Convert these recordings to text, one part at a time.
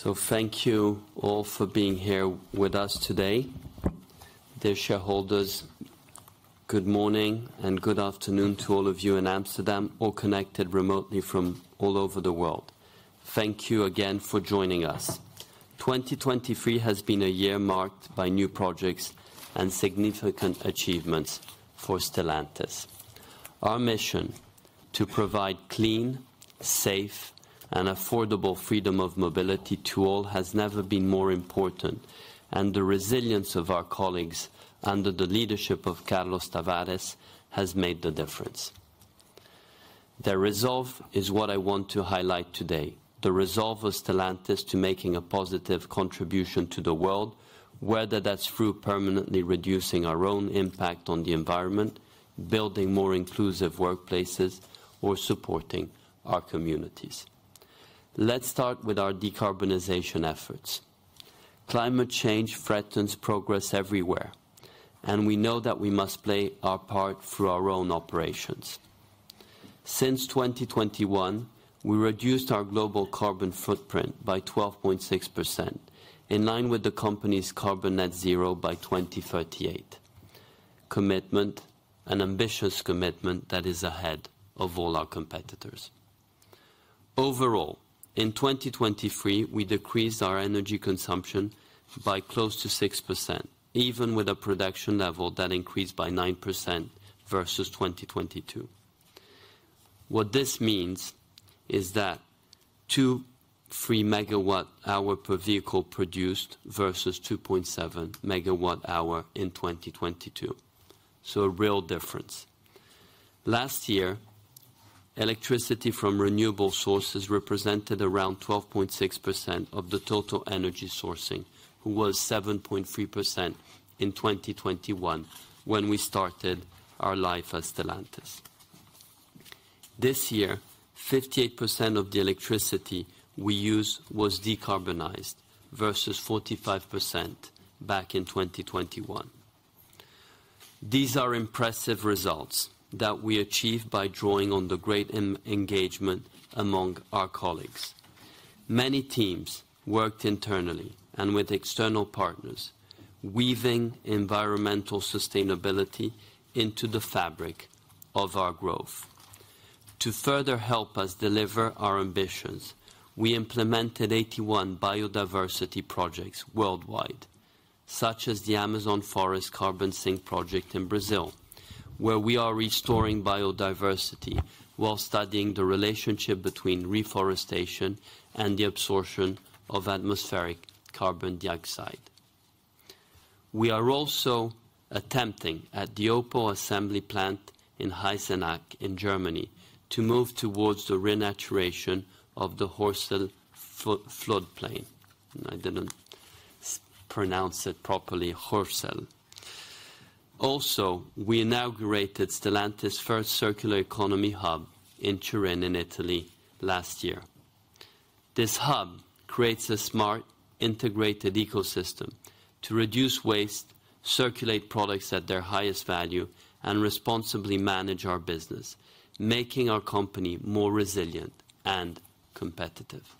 So thank you all for being here with us today. Climate School, good morning and good afternoon to all of you in Amsterdam or connected remotely from all over the world. Thank you again for joining us. 2023 has been a year marked by new projects and significant achievements for Stellantis. Our mission: to provide clean, safe, and affordable freedom of mobility to all has never been more important, and the resilience of our colleagues under the leadership of Carlos Tavares has made the difference. Their resolve is what I want to highlight today: the resolve of Stellantis to making a positive contribution to the world, whether that's through permanently reducing our own impact on the environment, building more inclusive workplaces, or supporting our communities. Let's start with our decarbonization efforts. Climate change threatens progress everywhere, and we know that we must play our part through our own operations. Since 2021, we reduced our global carbon footprint by 12.6%, in line with the company's Carbon Net Zero by 2038 commitment, an ambitious commitment that is ahead of all our competitors. Overall, in 2023 we decreased our energy consumption by close to 6%, even with a production level that increased by 9% versus 2022. What this means is that 2.3 MWh per vehicle produced versus 2.7 MWh in 2022, so a real difference. Last year, electricity from renewable sources represented around 12.6% of the total energy sourcing, which was 7.3% in 2021 when we started our life at Stellantis. This year, 58% of the electricity we use was decarbonized, versus 45% back in 2021. These are impressive results that we achieved by drawing on the great engagement among our colleagues. Many teams worked internally and with external partners, weaving environmental sustainability into the fabric of our growth. To further help us deliver our ambitions, we implemented 81 biodiversity projects worldwide, such as the Amazon Forest Carbon Sink project in Brazil, where we are restoring biodiversity while studying the relationship between reforestation and the absorption of atmospheric carbon dioxide. We are also attempting, at the Opel Assembly Plant in Eisenach in Germany, to move towards the renaturation of the Hörsel floodplain, and I didn't pronounce it properly, Hörsel. Also, we inaugurated Stellantis' first circular economy hub in Turin, in Italy, last year. This hub creates a smart, integrated ecosystem to reduce waste, circulate products at their highest value, and responsibly manage our business, making our company more resilient and competitive.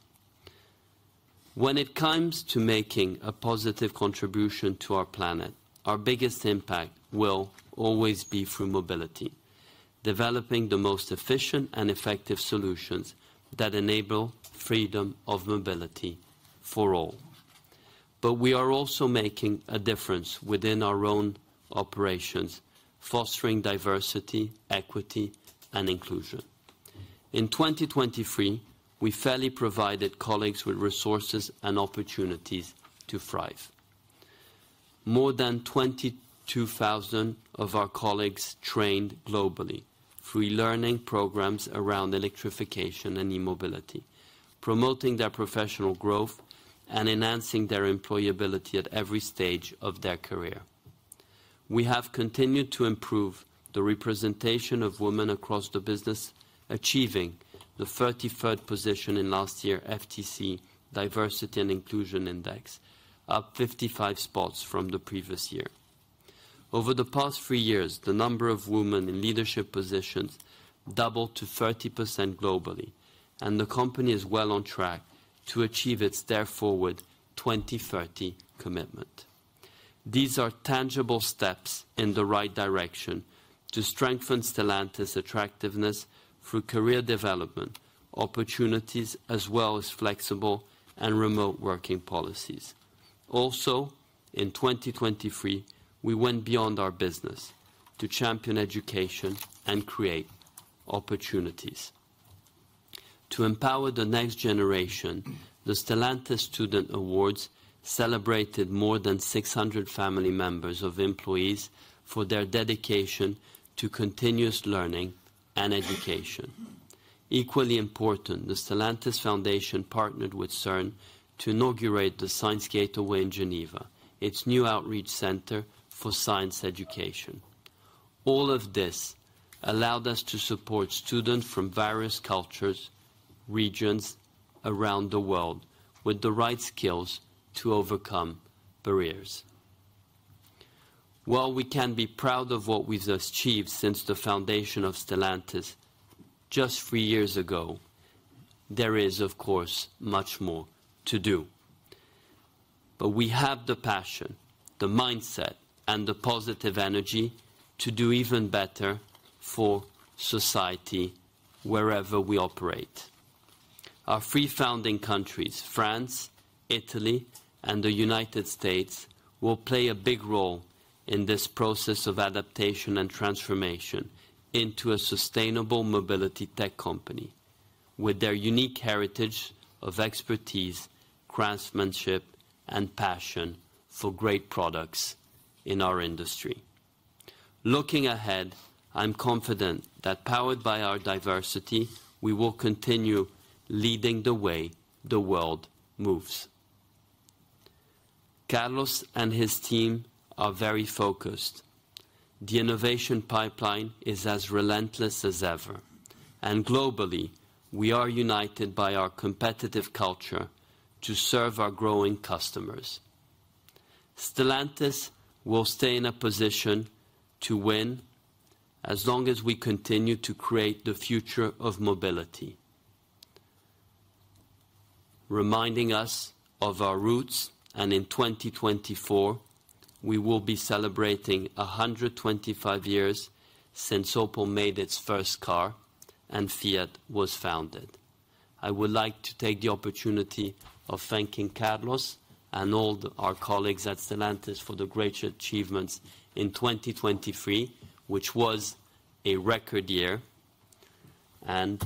When it comes to making a positive contribution to our planet, our biggest impact will always be through mobility, developing the most efficient and effective solutions that enable freedom of mobility for all. But we are also making a difference within our own operations, fostering diversity, equity, and inclusion. In 2023, we fairly provided colleagues with resources and opportunities to thrive. More than 22,000 of our colleagues trained globally through e-learning programs around electrification and e-mobility, promoting their professional growth and enhancing their employability at every stage of their career. We have continued to improve the representation of women across the business, achieving the 33rd position in last year's FTSE Diversity and Inclusion Index, up 55 spots from the previous year. Over the past three years, the number of women in leadership positions doubled to 30% globally, and the company is well on track to achieve its Dare Forward 2030 commitment. These are tangible steps in the right direction to strengthen Stellantis' attractiveness through career development opportunities as well as flexible and remote working policies. Also, in 2023, we went beyond our business to champion education and create opportunities. To empower the next generation, the Stellantis Student Awards celebrated more than 600 family members of employees for their dedication to continuous learning and education. Equally important, the Stellantis Foundation partnered with CERN to inaugurate the Science Gateway in Geneva, its new outreach center for science education. All of this allowed us to support students from various cultures, regions, around the world with the right skills to overcome barriers. While we can be proud of what we've achieved since the foundation of Stellantis just three years ago, there is, of course, much more to do. But we have the passion, the mindset, and the positive energy to do even better for society wherever we operate. Our three founding countries, France, Italy, and the United States, will play a big role in this process of adaptation and transformation into a sustainable mobility tech company, with their unique heritage of expertise, craftsmanship, and passion for great products in our industry. Looking ahead, I'm confident that, powered by our diversity, we will continue leading the way the world moves. Carlos and his team are very focused. The innovation pipeline is as relentless as ever, and globally we are united by our competitive culture to serve our growing customers. Stellantis will stay in a position to win as long as we continue to create the future of mobility, reminding us of our roots and, in 2024, we will be celebrating 125 years since Opel made its first car and Fiat was founded. I would like to take the opportunity of thanking Carlos and all our colleagues at Stellantis for the great achievements in 2023, which was a record year, and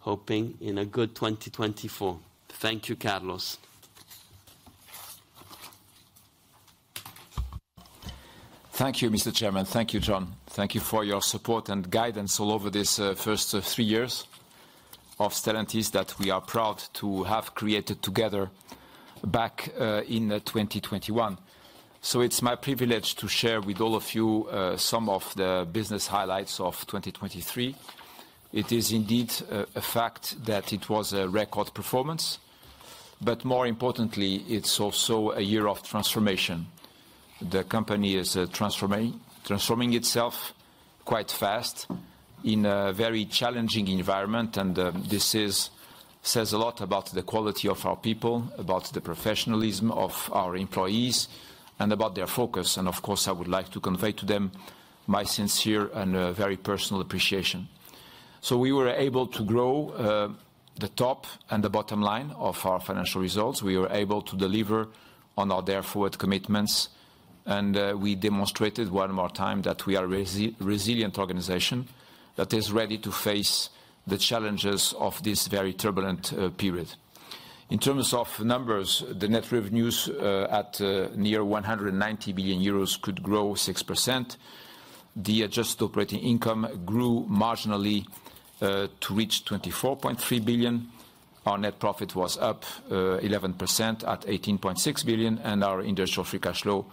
hoping in a good 2024. Thank you, Carlos. Thank you, Mr. Chairman. Thank you, John. Thank you for your support and guidance all over these first three years of Stellantis that we are proud to have created together back in 2021. So it's my privilege to share with all of you some of the business highlights of 2023. It is indeed a fact that it was a record performance, but more importantly, it's also a year of transformation. The company is transforming itself quite fast in a very challenging environment, and this says a lot about the quality of our people, about the professionalism of our employees, and about their focus. And, of course, I would like to convey to them my sincere and very personal appreciation. So we were able to grow the top and the bottom line of our financial results. We were able to deliver on our Dare Forward commitments, and we demonstrated one more time that we are a resilient organization that is ready to face the challenges of this very turbulent period. In terms of numbers, the net revenues at near 190 billion euros could grow 6%. The adjusted operating income grew marginally to reach 24.3 billion. Our net profit was up 11% at 18.6 billion, and our industrial free cash flow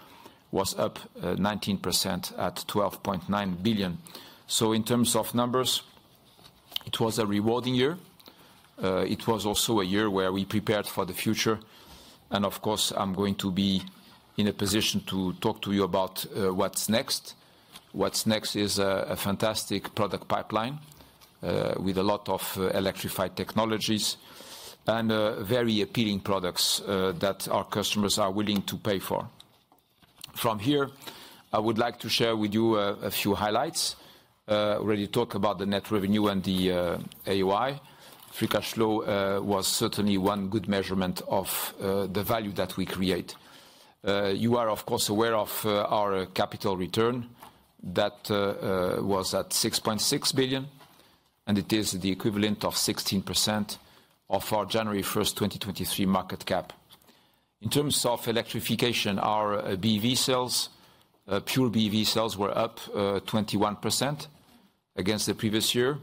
was up 19% at 12.9 billion. So, in terms of numbers, it was a rewarding year. It was also a year where we prepared for the future. And, of course, I'm going to be in a position to talk to you about what's next. What's next is a fantastic product pipeline with a lot of electrified technologies and very appealing products that our customers are willing to pay for. From here, I would like to share with you a few highlights. I already talked about the net revenue and the AOI. Free cash flow was certainly one good measurement of the value that we create. You are, of course, aware of our capital return. That was at 6.6 billion, and it is the equivalent of 16% of our January 1st, 2023, market cap. In terms of electrification, our BEV sales, pure BEV sales, were up 21% against the previous year,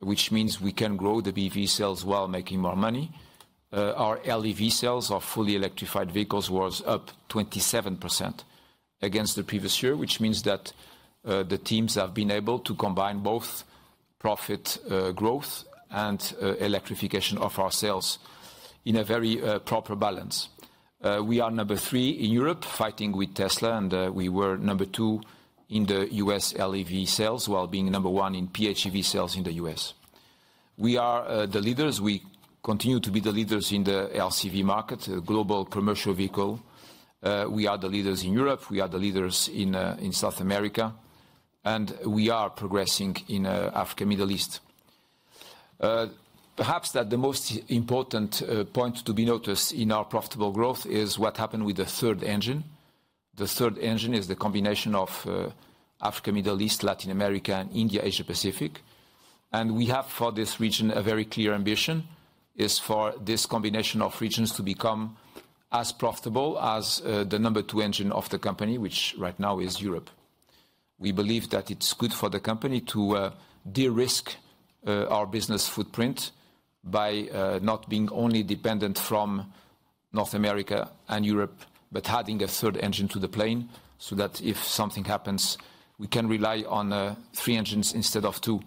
which means we can grow the BEV sales while making more money. Our LEV sales, our fully electrified vehicles, were up 27% against the previous year, which means that the teams have been able to combine both profit growth and electrification of our sales in a very proper balance. We are number 3 in Europe fighting with Tesla, and we were number 2 in the U.S. LEV sales while being number one in PHEV sales in the U.S. We are the leaders. We continue to be the leaders in the LCV market, the global commercial vehicle. We are the leaders in Europe. We are the leaders in South America. We are progressing in Africa and the Middle East. Perhaps the most important point to be noticed in our profitable growth is what happened with the third engine. The third engine is the combination of Africa and the Middle East, Latin America, and India, Asia-Pacific. We have, for this region, a very clear ambition: it is for this combination of regions to become as profitable as the number two engine of the company, which right now is Europe. We believe that it's good for the company to de-risk our business footprint by not being only dependent from North America and Europe, but adding a third engine to the plane so that, if something happens, we can rely on three engines instead of two.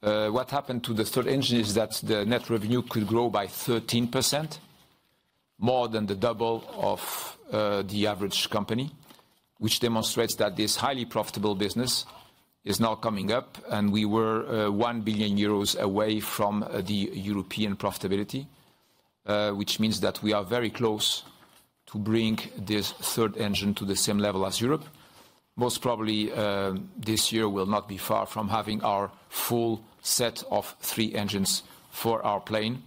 What happened to the third engine is that the net revenue could grow by 13%, more than the double of the average company, which demonstrates that this highly profitable business is now coming up. And we were 1 billion euros away from the European profitability, which means that we are very close to bringing this third engine to the same level as Europe. Most probably, this year will not be far from having our full set of three engines for our plane.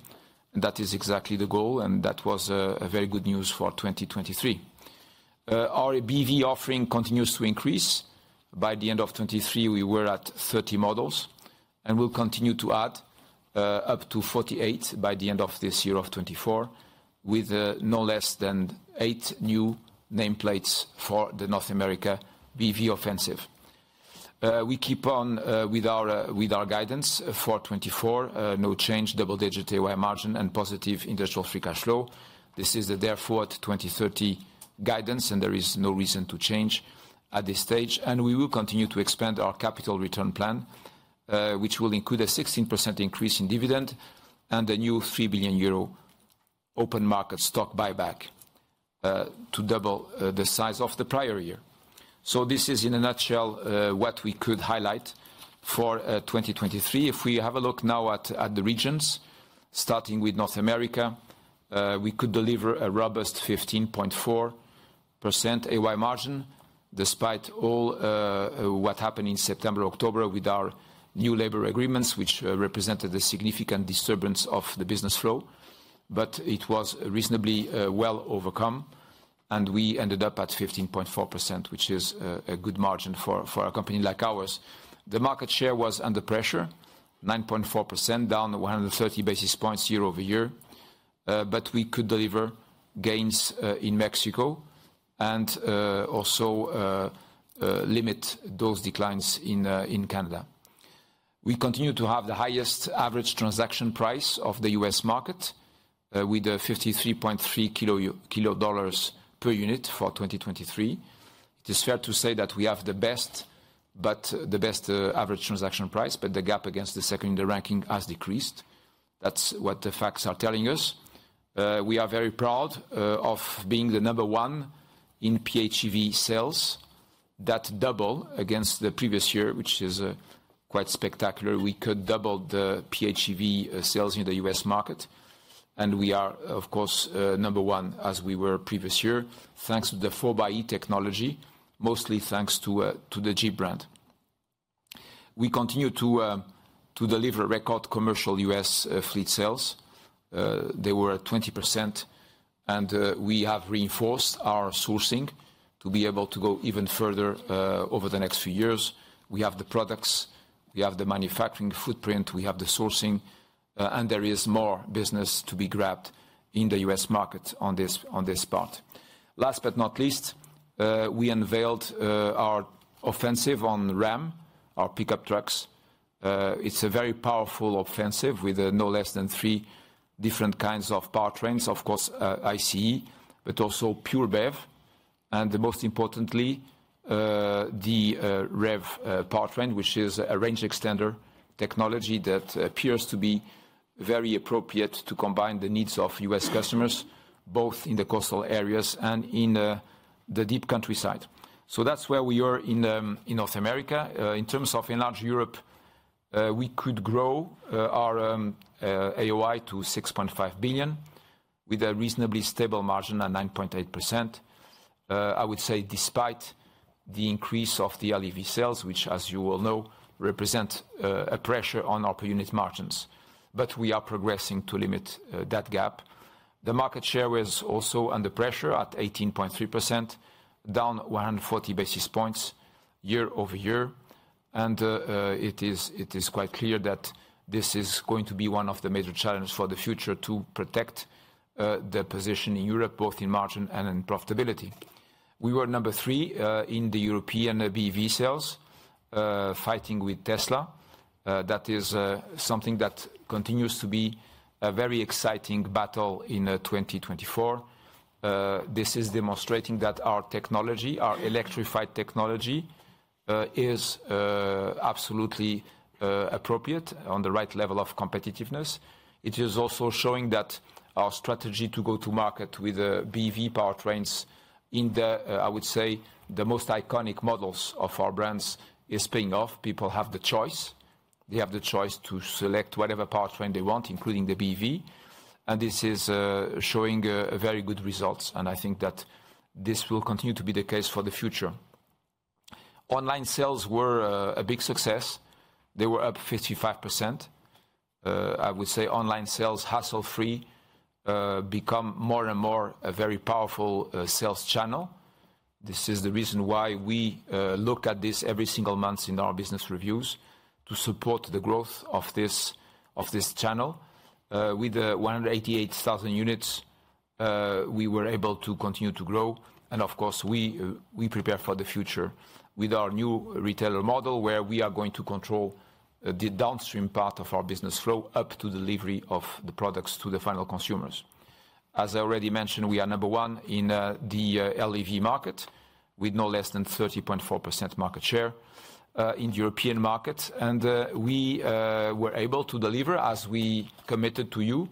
That is exactly the goal, and that was very good news for 2023. Our BEV offering continues to increase. By the end of 2023, we were at 30 models, and we'll continue to add up to 48 by the end of this year of 2024, with no less than 8 new nameplates for the North American BEV offensive. We keep on with our guidance for 2024: no change, double-digit AOI margin, and positive industrial free cash flow. This is the Dare Forward 2030 guidance, and there is no reason to change at this stage. We will continue to expand our capital return plan, which will include a 16% increase in dividend and a new 3 billion euro open market stock buyback to double the size of the prior year. This is, in a nutshell, what we could highlight for 2023. If we have a look now at the regions, starting with North America, we could deliver a robust 15.4% AOI margin, despite all what happened in September and October with our new labor agreements, which represented a significant disturbance of the business flow. It was reasonably well overcome, and we ended up at 15.4%, which is a good margin for a company like ours. The market share was under pressure: 9.4%, down 130 basis points year-over-year. We could deliver gains in Mexico and also limit those declines in Canada. We continue to have the highest average transaction price of the U.S. market, with $53.3 per unit for 2023. It is fair to say that we have the best, but the best average transaction price. The gap against the second in the ranking has decreased. That's what the facts are telling us. We are very proud of being the number one in PHEV sales that doubled against the previous year, which is quite spectacular. We could double the PHEV sales in the U.S. market. We are, of course, number one, as we were previous year, thanks to the 4xe technology, mostly thanks to the Jeep brand. We continue to deliver record commercial U.S. fleet sales. They were at 20%. We have reinforced our sourcing to be able to go even further over the next few years. We have the products. We have the manufacturing footprint. We have the sourcing. There is more business to be grabbed in the U.S. market on this part. Last but not least, we unveiled our offensive on RAM, our pickup trucks. It's a very powerful offensive with no less than three different kinds of powertrains: of course, ICE, but also pure BEV. And most importantly, the REV powertrain, which is a range extender technology that appears to be very appropriate to combine the needs of U.S. customers, both in the coastal areas and in the deep countryside. So that's where we are in North America. In terms of enlarged Europe, we could grow our AOI to $6.5 billion, with a reasonably stable margin at 9.8%, I would say, despite the increase of the LEV sales, which, as you all know, represent a pressure on our per-unit margins. But we are progressing to limit that gap. The market share was also under pressure at 18.3%, down 140 basis points year-over-year. And it is quite clear that this is going to be one of the major challenges for the future: to protect the position in Europe, both in margin and in profitability. We were number three in the European BEV sales, fighting with Tesla. That is something that continues to be a very exciting battle in 2024. This is demonstrating that our technology, our electrified technology, is absolutely appropriate, on the right level of competitiveness. It is also showing that our strategy to go to market with BEV powertrains in the, I would say, the most iconic models of our brands is paying off. People have the choice. They have the choice to select whatever powertrain they want, including the BEV. And this is showing very good results. And I think that this will continue to be the case for the future. Online sales were a big success. They were up 55%, I would say. Online sales, hassle-free, become more and more a very powerful sales channel. This is the reason why we look at this every single month in our business reviews, to support the growth of this channel. With 188,000 units, we were able to continue to grow. And, of course, we prepare for the future with our new retailer model, where we are going to control the downstream part of our business flow up to delivery of the products to the final consumers. As I already mentioned, we are number one in the LEV market, with no less than 30.4% market share in the European market. And we were able to deliver, as we committed to you,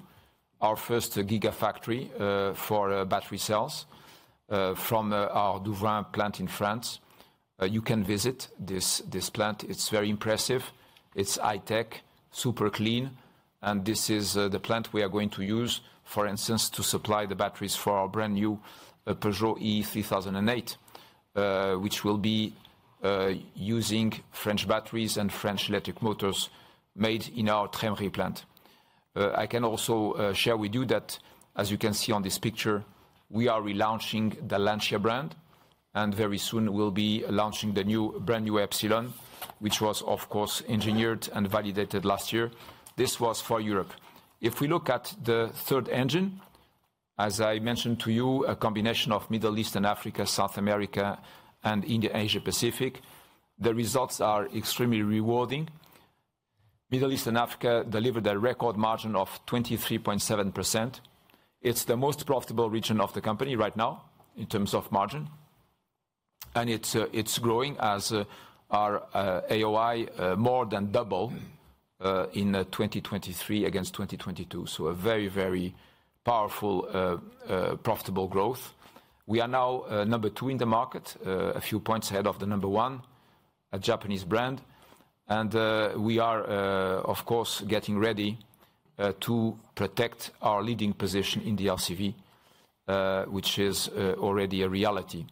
our first gigafactory for battery cells from our Douvrin plant in France. You can visit this plant. It's very impressive. It's high-tech, super clean. This is the plant we are going to use, for instance, to supply the batteries for our brand-new Peugeot E-3008, which will be using French batteries and French electric motors made in our Trémery plant. I can also share with you that, as you can see on this picture, we are relaunching the Lancia brand. And very soon, we'll be launching the new brand-new Ypsilon, which was, of course, engineered and validated last year. This was for Europe. If we look at the third engine, as I mentioned to you, a combination of Middle East and Africa, South America, and India, Asia-Pacific, the results are extremely rewarding. Middle East and Africa delivered a record margin of 23.7%. It's the most profitable region of the company right now in terms of margin. And it's growing, as our AOI more than doubled in 2023 against 2022. So a very, very powerful, profitable growth. We are now number two in the market, a few points ahead of the number one, a Japanese brand. And we are, of course, getting ready to protect our leading position in the LCV, which is already a reality.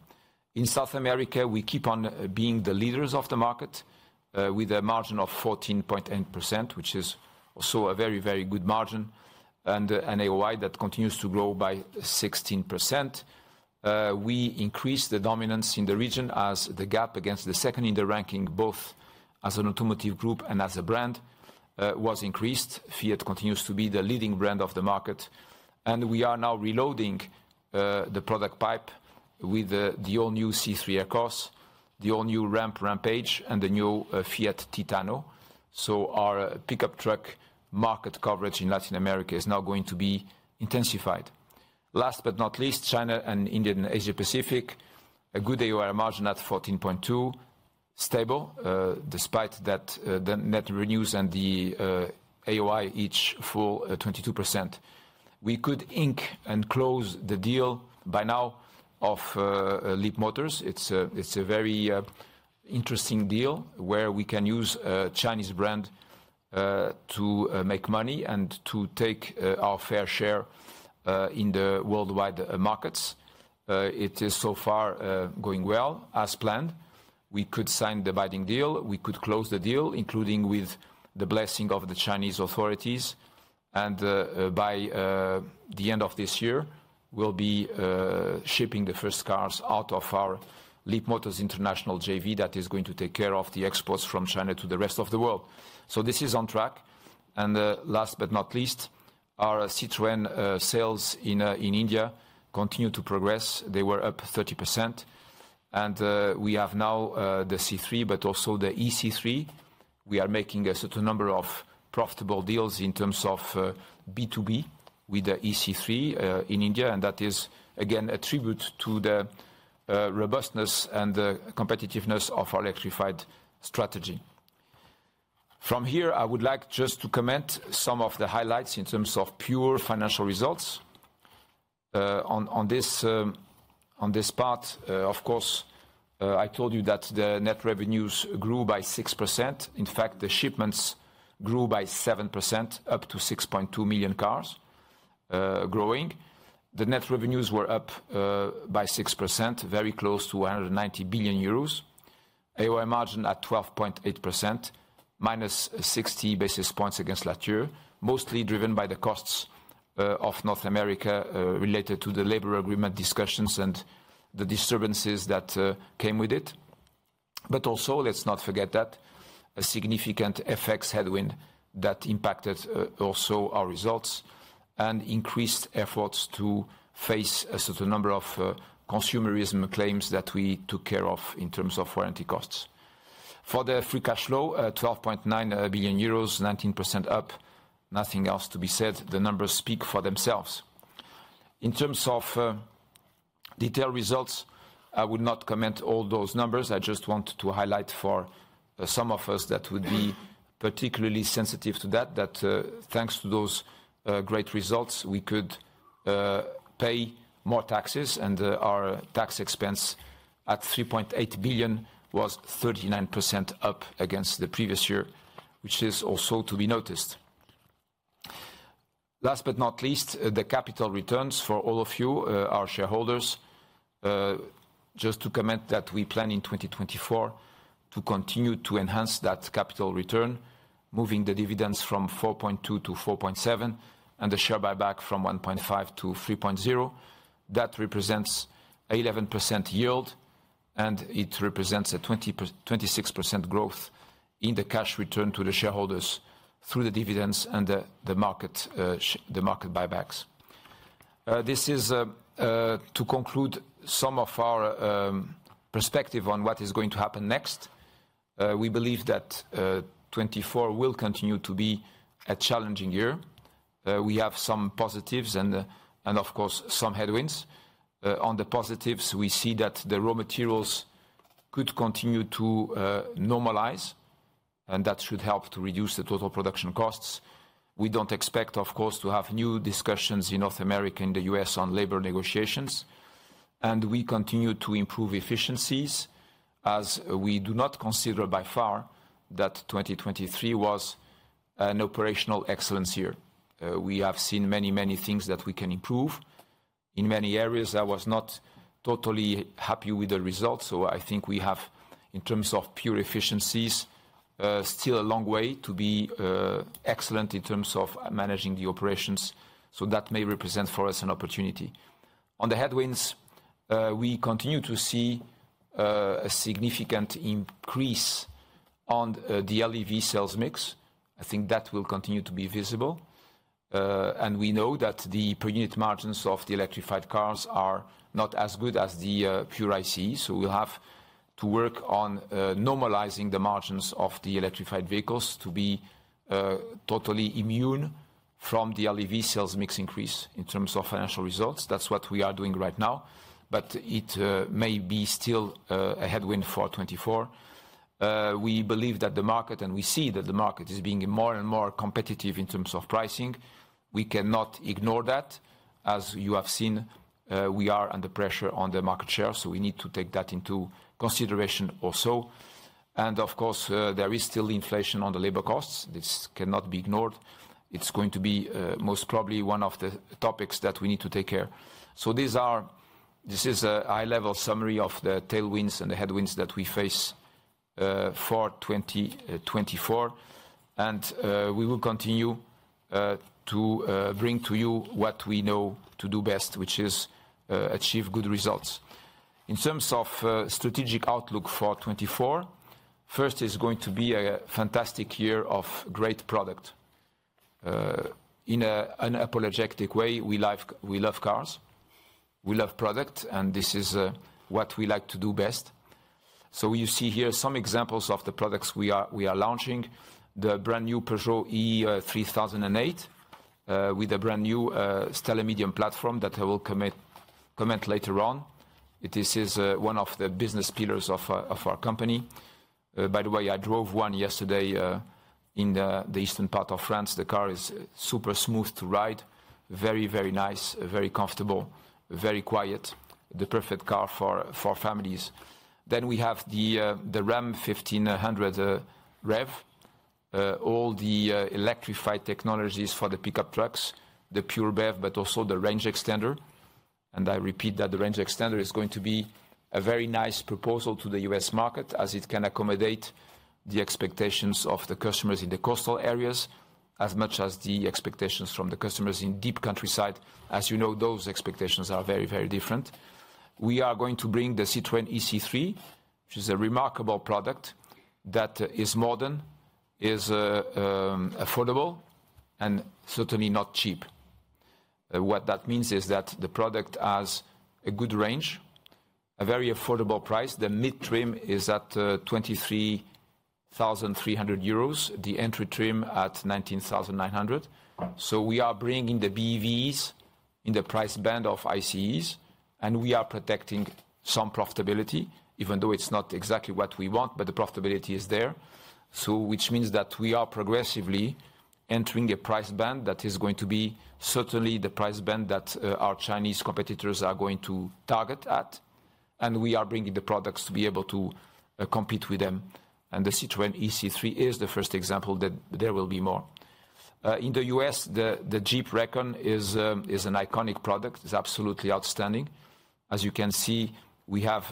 In South America, we keep on being the leaders of the market with a margin of 14.8%, which is also a very, very good margin, and an AOI that continues to grow by 16%. We increased the dominance in the region as the gap against the second in the ranking, both as an automotive group and as a brand, was increased. Fiat continues to be the leading brand of the market. And we are now reloading the product pipe with the all-new C3 Aircross, the all-new RAM Rampage, and the new Fiat Titano. So our pickup truck market coverage in Latin America is now going to be intensified. Last but not least, China and India and Asia-Pacific: a good AOI margin at 14.2%, stable, despite the net revenues and the AOI each fell 22%. We could ink and close the deal by now of Leapmotor. It's a very interesting deal, where we can use a Chinese brand to make money and to take our fair share in the worldwide markets. It is so far going well, as planned. We could sign the binding deal. We could close the deal, including with the blessing of the Chinese authorities. And by the end of this year, we'll be shipping the first cars out of our Leapmotor International JV that is going to take care of the exports from China to the rest of the world. So this is on track. And last but not least, our Citroën sales in India continue to progress. They were up 30%. We have now the C3, but also the E-C3. We are making a certain number of profitable deals in terms of B2B with the E-C3 in India. That is, again, a tribute to the robustness and the competitiveness of our electrified strategy. From here, I would like just to comment some of the highlights in terms of pure financial results. On this part, of course, I told you that the net revenues grew by 6%. In fact, the shipments grew by 7%, up to 6.2 million cars growing. The net revenues were up by 6%, very close to 190 billion euros, AOI margin at 12.8%, minus 60 basis points against last year, mostly driven by the costs of North America related to the labor agreement discussions and the disturbances that came with it. But also, let's not forget that a significant FX headwind that impacted also our results and increased efforts to face a certain number of consumerism claims that we took care of in terms of warranty costs. For the free cash flow, 12.9 billion euros, 19% up. Nothing else to be said. The numbers speak for themselves. In terms of detailed results, I would not comment all those numbers. I just want to highlight for some of us that would be particularly sensitive to that, that thanks to those great results, we could pay more taxes. And our tax expense at 3.8 billion was 39% up against the previous year, which is also to be noticed. Last but not least, the capital returns for all of you, our shareholders. Just to comment that we plan in 2024 to continue to enhance that capital return, moving the dividends from 4.2 billion to 4.7 billion and the share buyback from 1.5 billion to 3.0 billion. That represents an 11% yield. And it represents a 26% growth in the cash return to the shareholders through the dividends and the market buybacks. This is to conclude some of our perspective on what is going to happen next. We believe that 2024 will continue to be a challenging year. We have some positives and, of course, some headwinds. On the positives, we see that the raw materials could continue to normalize. And that should help to reduce the total production costs. We don't expect, of course, to have new discussions in North America and the U.S. on labor negotiations. We continue to improve efficiencies, as we do not consider by far that 2023 was an operational excellence year. We have seen many, many things that we can improve. In many areas, I was not totally happy with the results. I think we have, in terms of pure efficiencies, still a long way to be excellent in terms of managing the operations. That may represent for us an opportunity. On the headwinds, we continue to see a significant increase on the LEV sales mix. I think that will continue to be visible. We know that the per-unit margins of the electrified cars are not as good as the pure ICE. So we'll have to work on normalizing the margins of the electrified vehicles to be totally immune from the LEV sales mix increase in terms of financial results. That's what we are doing right now. But it may be still a headwind for 2024. We believe that the market and we see that the market is being more and more competitive in terms of pricing. We cannot ignore that. As you have seen, we are under pressure on the market share. So we need to take that into consideration also. And, of course, there is still inflation on the labor costs. This cannot be ignored. It's going to be most probably one of the topics that we need to take care. So this is a high-level summary of the tailwinds and the headwinds that we face for 2024. And we will continue to bring to you what we know to do best, which is achieve good results. In terms of strategic outlook for 2024, first, it's going to be a fantastic year of great product. In an apologetic way, we love cars. We love product. And this is what we like to do best. So you see here some examples of the products we are launching: the brand-new Peugeot E-3008, with a brand-new STLA Medium platform that I will comment later on. This is one of the business pillars of our company. By the way, I drove one yesterday in the eastern part of France. The car is super smooth to ride, very, very nice, very comfortable, very quiet. The perfect car for families. Then we have the RAM 1500 REV, all the electrified technologies for the pickup trucks, the pure BEV, but also the range extender. I repeat that the range extender is going to be a very nice proposal to the U.S. market, as it can accommodate the expectations of the customers in the coastal areas, as much as the expectations from the customers in deep countryside. As you know, those expectations are very, very different. We are going to bring the Citroën E-C3, which is a remarkable product that is modern, is affordable, and certainly not cheap. What that means is that the product has a good range, a very affordable price. The mid-trim is at 23,300 euros, the entry-trim at 19,900. So we are bringing the BEVs in the price band of ICEs. And we are protecting some profitability, even though it's not exactly what we want. But the profitability is there. So which means that we are progressively entering a price band that is going to be certainly the price band that our Chinese competitors are going to target at. And we are bringing the products to be able to compete with them. And the Citroën E-C3 is the first example that there will be more. In the U.S., the Jeep Recon is an iconic product. It's absolutely outstanding. As you can see, we have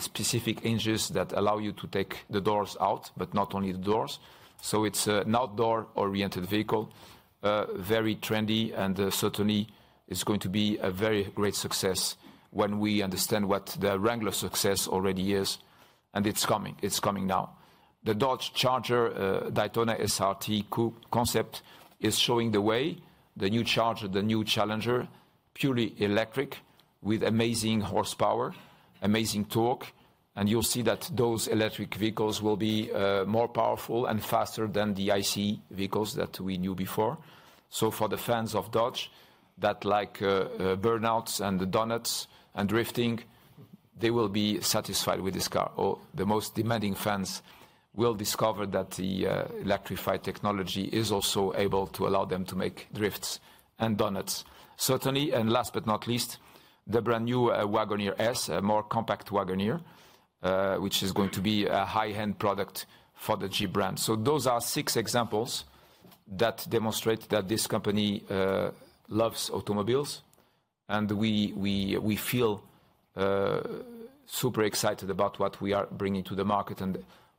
specific hinges that allow you to take the doors out, but not only the doors. So it's an outdoor-oriented vehicle, very trendy. And certainly, it's going to be a very great success when we understand what the Wrangler success already is. And it's coming. It's coming now. The Dodge Charger Daytona SRT Coupe concept is showing the way, the new charger, the new challenger, purely electric, with amazing horsepower, amazing torque. You'll see that those electric vehicles will be more powerful and faster than the ICE vehicles that we knew before. So, for the fans of Dodge that like burnouts and donuts and drifting, they will be satisfied with this car. Or the most demanding fans will discover that the electrified technology is also able to allow them to make drifts and donuts. Certainly. Last but not least, the brand-new Wagoneer S, a more compact Wagoneer, which is going to be a high-end product for the Jeep brand. So those are six examples that demonstrate that this company loves automobiles. We feel super excited about what we are bringing to the market.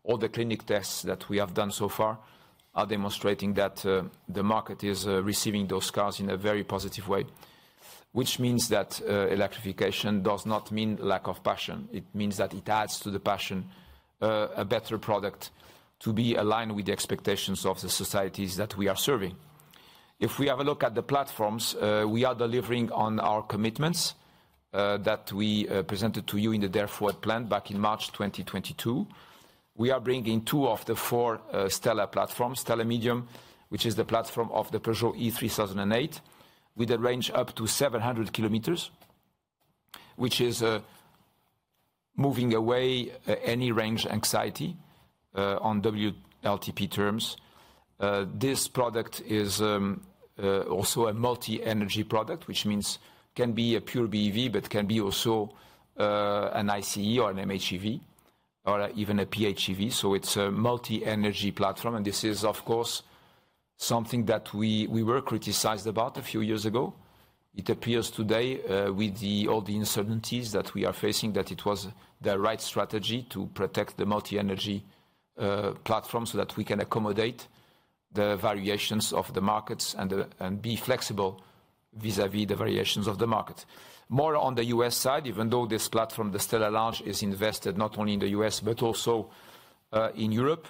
All the clinic tests that we have done so far are demonstrating that the market is receiving those cars in a very positive way, which means that electrification does not mean lack of passion. It means that it adds to the passion, a better product to be aligned with the expectations of the societies that we are serving. If we have a look at the platforms, we are delivering on our commitments that we presented to you in the Dare Forward plan back in March 2022. We are bringing two of the four STLA platforms, STLA Medium, which is the platform of the Peugeot E-3008, with a range up to 700 km, which is moving away any range anxiety on WLTP terms. This product is also a multi-energy product, which means can be a pure BEV, but can be also an ICE or an MHEV, or even a PHEV. So it's a multi-energy platform. And this is, of course, something that we were criticized about a few years ago. It appears today, with all the uncertainties that we are facing, that it was the right strategy to protect the multi-energy platform so that we can accommodate the variations of the markets and be flexible vis-à-vis the variations of the market. More on the U.S. side, even though this platform, the STLA Large, is invested not only in the U.S. but also in Europe,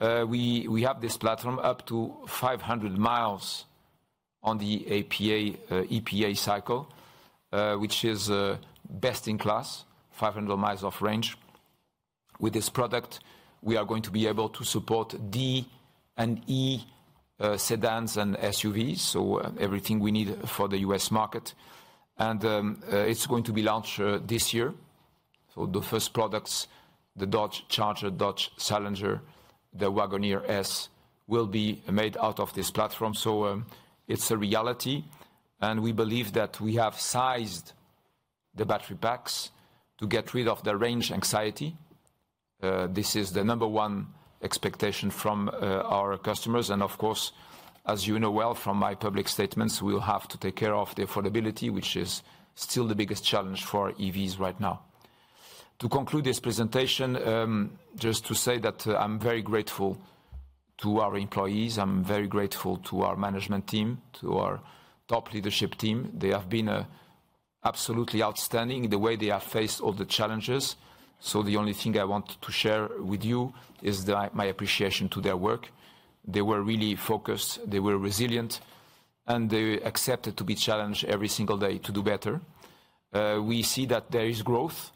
we have this platform up to 500 miles on the EPA cycle, which is best-in-class, 500 miles of range. With this product, we are going to be able to support D and E sedans and SUVs, so everything we need for the U.S. market. It's going to be launched this year. The first products, the Dodge Charger, Dodge Challenger, the Wagoneer S, will be made out of this platform. It's a reality. We believe that we have sized the battery packs to get rid of the range anxiety. This is the number one expectation from our customers. And, of course, as you know well from my public statements, we will have to take care of the affordability, which is still the biggest challenge for EVs right now. To conclude this presentation, just to say that I'm very grateful to our employees. I'm very grateful to our management team, to our top leadership team. They have been absolutely outstanding in the way they have faced all the challenges. The only thing I want to share with you is my appreciation to their work. They were really focused. They were resilient. They accepted to be challenged every single day to do better. We see that there is growth.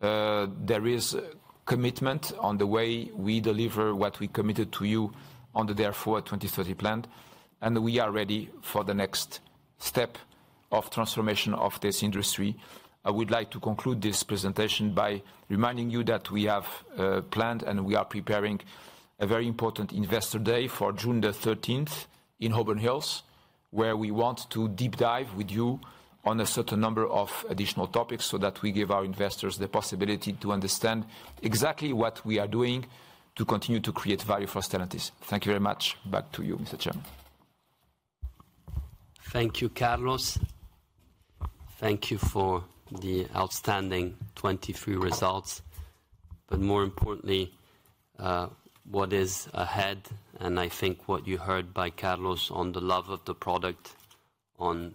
There is commitment on the way we deliver what we committed to you on the Dare Forward 2030 plan. We are ready for the next step of transformation of this industry. I would like to conclude this presentation by reminding you that we have planned and we are preparing a very important Investor Day for June the 13th in Auburn Hills, where we want to deep dive with you on a certain number of additional topics so that we give our investors the possibility to understand exactly what we are doing to continue to create value for Stellantis. Thank you very much. Back to you, Mr. Chairman. Thank you, Carlos. Thank you for the outstanding 2023 results. More importantly, what is ahead? And I think what you heard by Carlos on the love of the product, on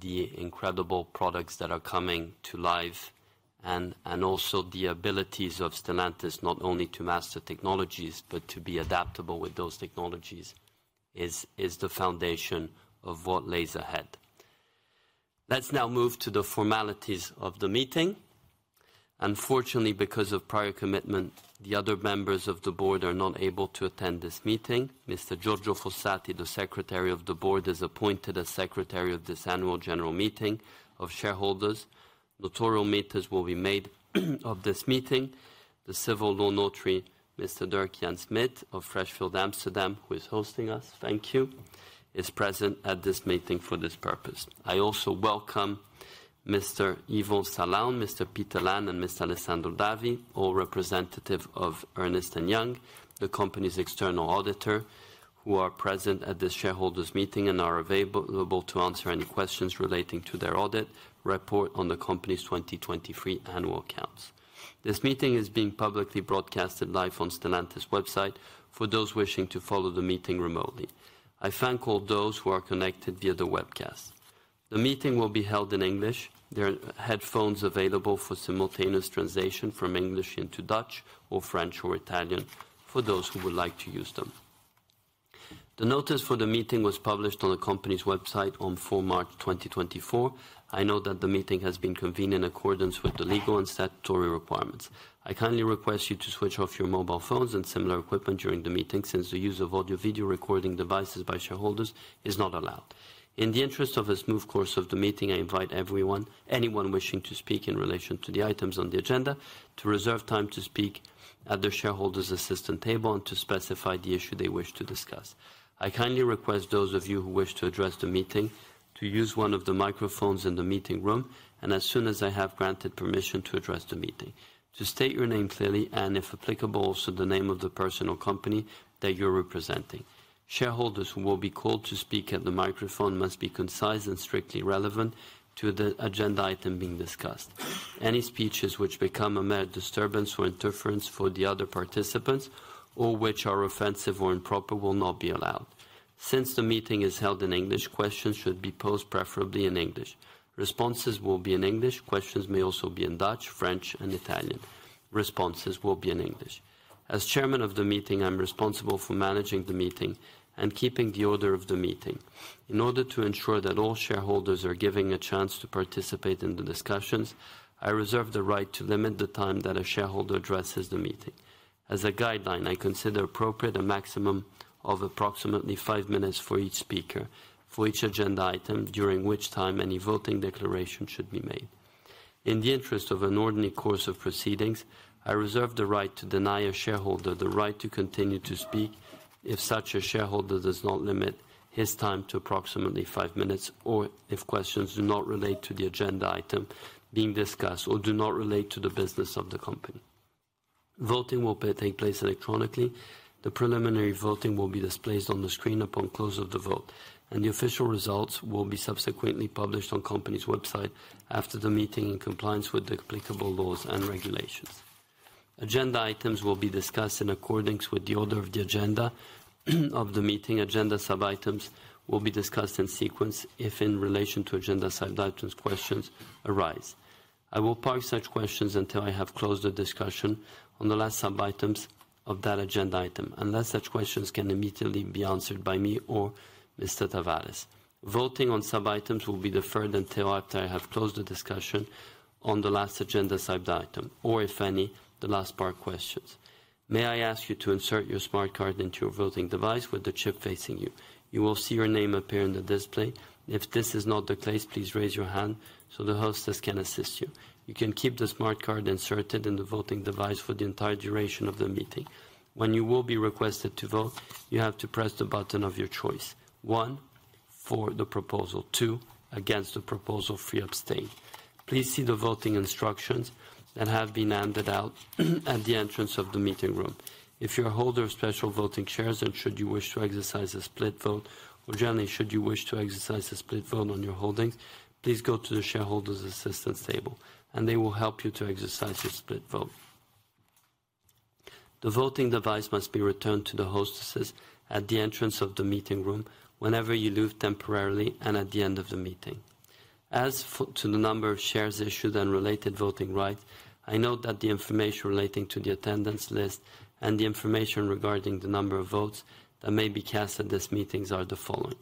the incredible products that are coming to life, and also the abilities of Stellantis not only to master technologies, but to be adaptable with those technologies, is the foundation of what lies ahead. Let's now move to the formalities of the meeting. Unfortunately, because of prior commitment, the other members of the board are not able to attend this meeting. Mr. Giorgio Fossati, the Secretary of the Board, is appointed as Secretary of this Annual General Meeting of Shareholders. Notarial minutes will be made of this meeting. The civil law notary, Mr. Dirk-Jan Smit of Freshfields Amsterdam, who is hosting us, thank you, is present at this meeting for this purpose. I also welcome Mr. Yvon Salaün, Mr. Pieter Laan, and Mr. Alessandro Davi, all representatives of Ernst & Young, the company's external auditor, who are present at this shareholders' meeting and are available to answer any questions relating to their audit report on the company's 2023 annual accounts. This meeting is being publicly broadcast live on Stellantis' website for those wishing to follow the meeting remotely. I thank all those who are connected via the webcast. The meeting will be held in English. There are headphones available for simultaneous translation from English into Dutch or French or Italian for those who would like to use them. The notice for the meeting was published on the company's website on 4 March 2024. I know that the meeting has been convened in accordance with the legal and statutory requirements. I kindly request you to switch off your mobile phones and similar equipment during the meeting, since the use of audio-video recording devices by shareholders is not allowed. In the interest of a smooth course of the meeting, I invite everyone, anyone wishing to speak in relation to the items on the agenda, to reserve time to speak at the shareholders' assistant table and to specify the issue they wish to discuss. I kindly request those of you who wish to address the meeting to use one of the microphones in the meeting room and as soon as I have granted permission to address the meeting, to state your name clearly and, if applicable, also the name of the person or company that you're representing. Shareholders who will be called to speak at the microphone must be concise and strictly relevant to the agenda item being discussed. Any speeches which become a mere disturbance or interference for the other participants or which are offensive or improper will not be allowed. Since the meeting is held in English, questions should be posed preferably in English. Responses will be in English. Questions may also be in Dutch, French, and Italian. Responses will be in English. As Chairman of the meeting, I'm responsible for managing the meeting and keeping the order of the meeting. In order to ensure that all shareholders are given a chance to participate in the discussions, I reserve the right to limit the time that a shareholder addresses the meeting. As a guideline, I consider appropriate a maximum of approximately five minutes for each speaker, for each agenda item, during which time any voting declaration should be made. In the interest of an ordinary course of proceedings, I reserve the right to deny a shareholder the right to continue to speak if such a shareholder does not limit his time to approximately five minutes or if questions do not relate to the agenda item being discussed or do not relate to the business of the company. Voting will take place electronically. The preliminary voting will be displayed on the screen upon close of the vote. The official results will be subsequently published on the company's website after the meeting in compliance with the applicable laws and regulations. Agenda items will be discussed in accordance with the order of the agenda of the meeting. Agenda sub-items will be discussed in sequence if, in relation to agenda sub-items, questions arise. I will park such questions until I have closed the discussion on the last sub-items of that agenda item, unless such questions can immediately be answered by me or Mr. Tavares. Voting on sub-items will be deferred until after I have closed the discussion on the last agenda sub-item or, if any, the last parked questions. May I ask you to insert your smart card into your voting device with the chip facing you? You will see your name appear on the display. If this is not the case, please raise your hand so the hostess can assist you. You can keep the smart card inserted in the voting device for the entire duration of the meeting. When you will be requested to vote, you have to press the button of your choice: one, for the proposal; two, against the proposal; three, abstain. Please see the voting instructions that have been handed out at the entrance of the meeting room. If you're a holder of special voting shares and should you wish to exercise a split vote, or generally, should you wish to exercise a split vote on your holdings, please go to the shareholders' assistance table. They will help you to exercise your split vote. The voting device must be returned to the hostesses at the entrance of the meeting room, whenever you leave temporarily and at the end of the meeting. As for the number of shares issued and related voting rights, I note that the information relating to the attendance list and the information regarding the number of votes that may be cast at these meetings are the following: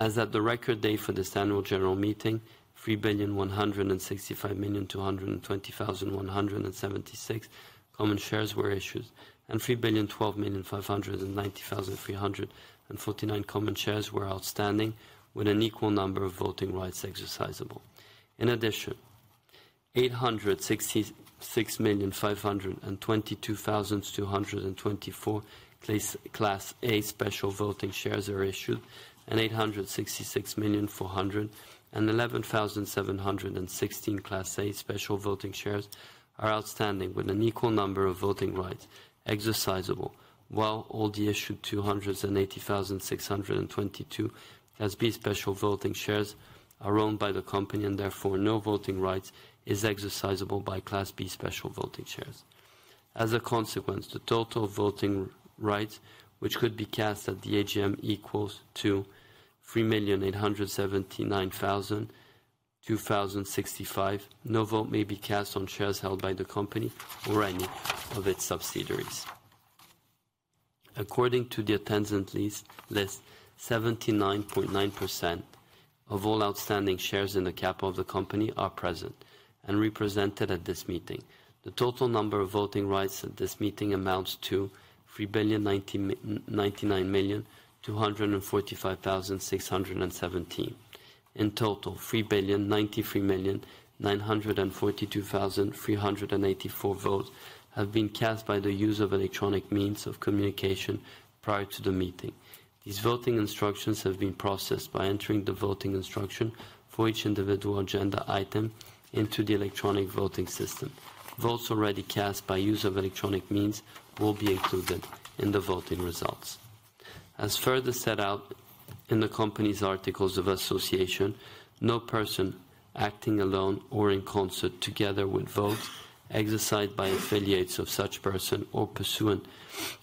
as at the record day for this Annual General Meeting, 3,165,220,176 common shares were issued, and 3,120,590,349 common shares were outstanding, with an equal number of voting rights exercisable. In addition, 866,522,224 Class A special voting shares are issued, and 866,411,716 Class A special voting shares are outstanding, with an equal number of voting rights exercisable, while all the issued 280,622 Class B special voting shares are owned by the company and, therefore, no voting rights are exercisable by Class B special voting shares. As a consequence, the total voting rights, which could be cast at the AGM, equals to 3,879,265. No vote may be cast on shares held by the company or any of its subsidiaries. According to the attendance list, 79.9% of all outstanding shares in the capital of the company are present and represented at this meeting. The total number of voting rights at this meeting amounts to 3,099,245,617. In total, 3,093,942,384 votes have been cast by the use of electronic means of communication prior to the meeting. These voting instructions have been processed by entering the voting instruction for each individual agenda item into the electronic voting system. Votes already cast by use of electronic means will be included in the voting results. As further set out in the company's Articles of Association, no person acting alone or in concert, together with votes exercised by affiliates of such person or pursuant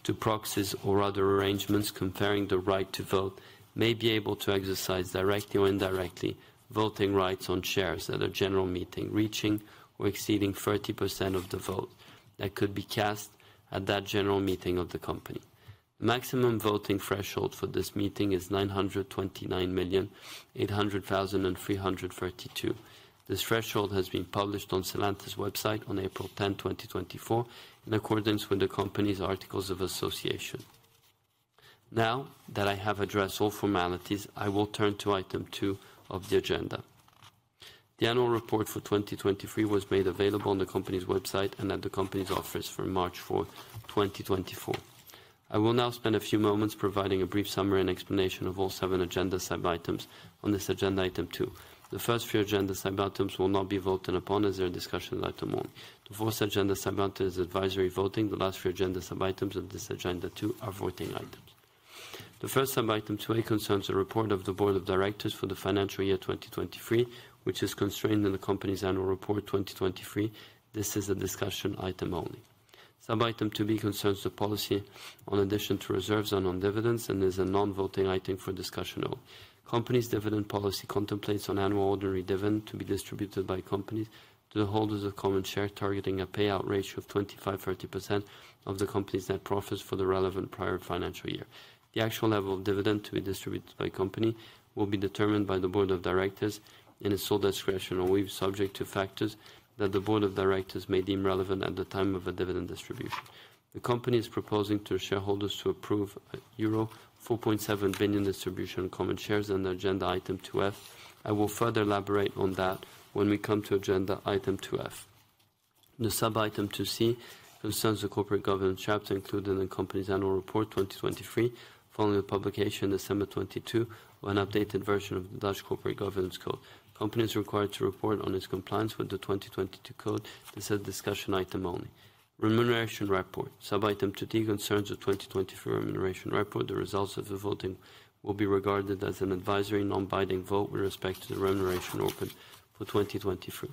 to proxies or other arrangements conferring the right to vote, may be able to exercise directly or indirectly voting rights on shares at a general meeting reaching or exceeding 30% of the vote that could be cast at that general meeting of the company. The maximum voting threshold for this meeting is 929,800,332. This threshold has been published on Stellantis' website on April 10, 2024, in accordance with the company's Articles of Association. Now that I have addressed all formalities, I will turn to item two of the agenda. The Annual Report for 2023 was made available on the company's website and at the company's office for March 4, 2024. I will now spend a few moments providing a brief summary and explanation of all seven agenda sub-items on this agenda item two. The first few agenda sub-items will not be voted upon as they are discussed in the item one. The fourth agenda sub-item is advisory voting. The last few agenda sub-items of this agenda two are voting items. The first sub-item two A concerns the report of the Board of Directors for the financial year 2023, which is contained in the company's Annual Report 2023. This is a discussion item only. Sub-item two B concerns the policy on addition to reserves and on dividends and is a non-voting item for discussion only. The company's dividend policy contemplates on annual ordinary dividends to be distributed by the company to the holders of common shares targeting a payout ratio of 25%-30% of the company's net profits for the relevant prior financial year. The actual level of dividend to be distributed by the company will be determined by the Board of Directors in its sole discretion alone, subject to factors that the Board of Directors may deem relevant at the time of a dividend distribution. The company is proposing to shareholders to approve a euro 4.7 billion distribution on common shares and agenda item 2 F. I will further elaborate on that when we come to agenda item 2 F. The sub-item 2 C concerns the corporate governance chapter included in the company's Annual Report 2023 following the publication in December 2022 of an updated version of the Dutch Corporate Governance Code. The company is required to report on its compliance with the 2022 code. This is a discussion item only. The remuneration report. Sub-item 2D concerns the 2023 remuneration report. The results of the voting will be regarded as an advisory non-binding vote with respect to the remuneration open for 2023.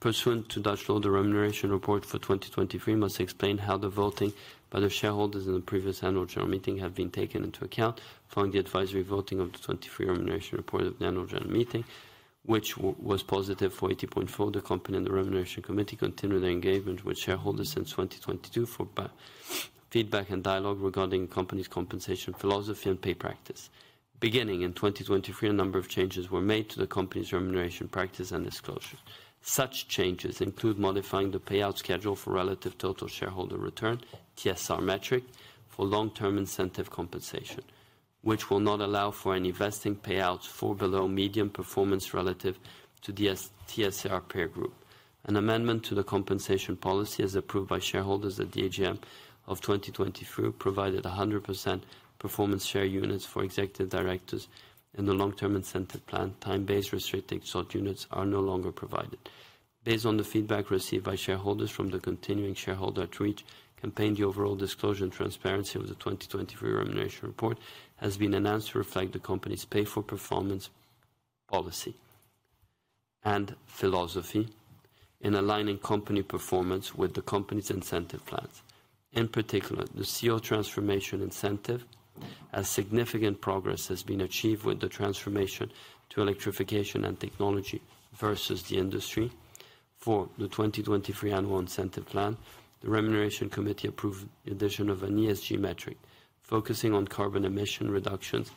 Pursuant to Dutch law, the remuneration report for 2023 must explain how the voting by the shareholders in the previous Annual General Meeting has been taken into account following the advisory voting of the 2023 remuneration report of the Annual General Meeting, which was positive for 80.4%. The company and the remuneration committee continue their engagement with shareholders since 2022 for feedback and dialogue regarding the company's compensation philosophy and pay practice. Beginning in 2023, a number of changes were made to the company's remuneration practice and disclosure. Such changes include modifying the payout schedule for relative total shareholder return, TSR metric, for long-term incentive compensation, which will not allow for any vesting payouts for below median performance relative to the TSR peer group. An amendment to the compensation policy as approved by shareholders at the AGM of 2023 provided 100% performance share units for executive directors in the long-term incentive plan. Time-based restricted stock units are no longer provided. Based on the feedback received by shareholders from the continuing shareholder outreach campaign, the overall disclosure and transparency of the 2023 remuneration report has been enhanced to reflect the company's pay-for-performance policy and philosophy in aligning company performance with the company's incentive plans. In particular, the CO2 transformation incentive, as significant progress has been achieved with the transformation to electrification and technology versus the industry. For the 2023 annual incentive plan, the remuneration committee approved the addition of an ESG metric focusing on carbon emission reductions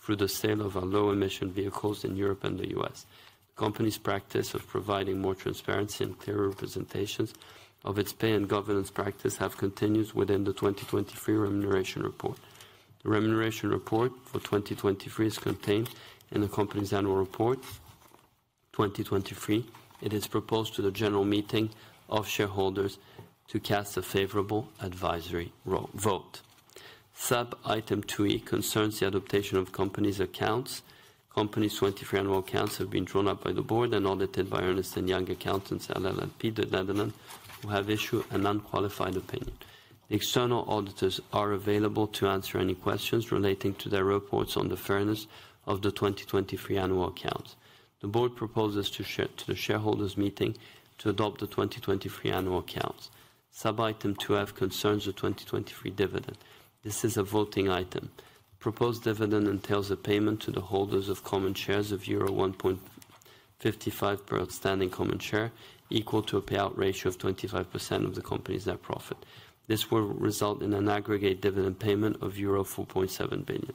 through the sale of our low-emission vehicles in Europe and the U.S. The company's practice of providing more transparency and clearer representations of its pay and governance practice continues within the 2023 remuneration report. The remuneration report for 2023 is contained in the company's Annual Report 2023. It is proposed to the general meeting of shareholders to cast a favorable advisory vote. Sub-item two E concerns the adaptation of the company's accounts. The company's 2023 annual accounts have been drawn up by the board and audited by Ernst & Young Accountants LLP, the Netherlands, who have issued an unqualified opinion. The external auditors are available to answer any questions relating to their reports on the fairness of the 2023 annual accounts. The board proposes to the shareholders' meeting to adopt the 2023 annual accounts. Sub-item two F concerns the 2023 dividend. This is a voting item. The proposed dividend entails a payment to the holders of common shares of euro 1.55 per outstanding common share, equal to a payout ratio of 25% of the company's net profit. This will result in an aggregate dividend payment of euro 4.7 billion.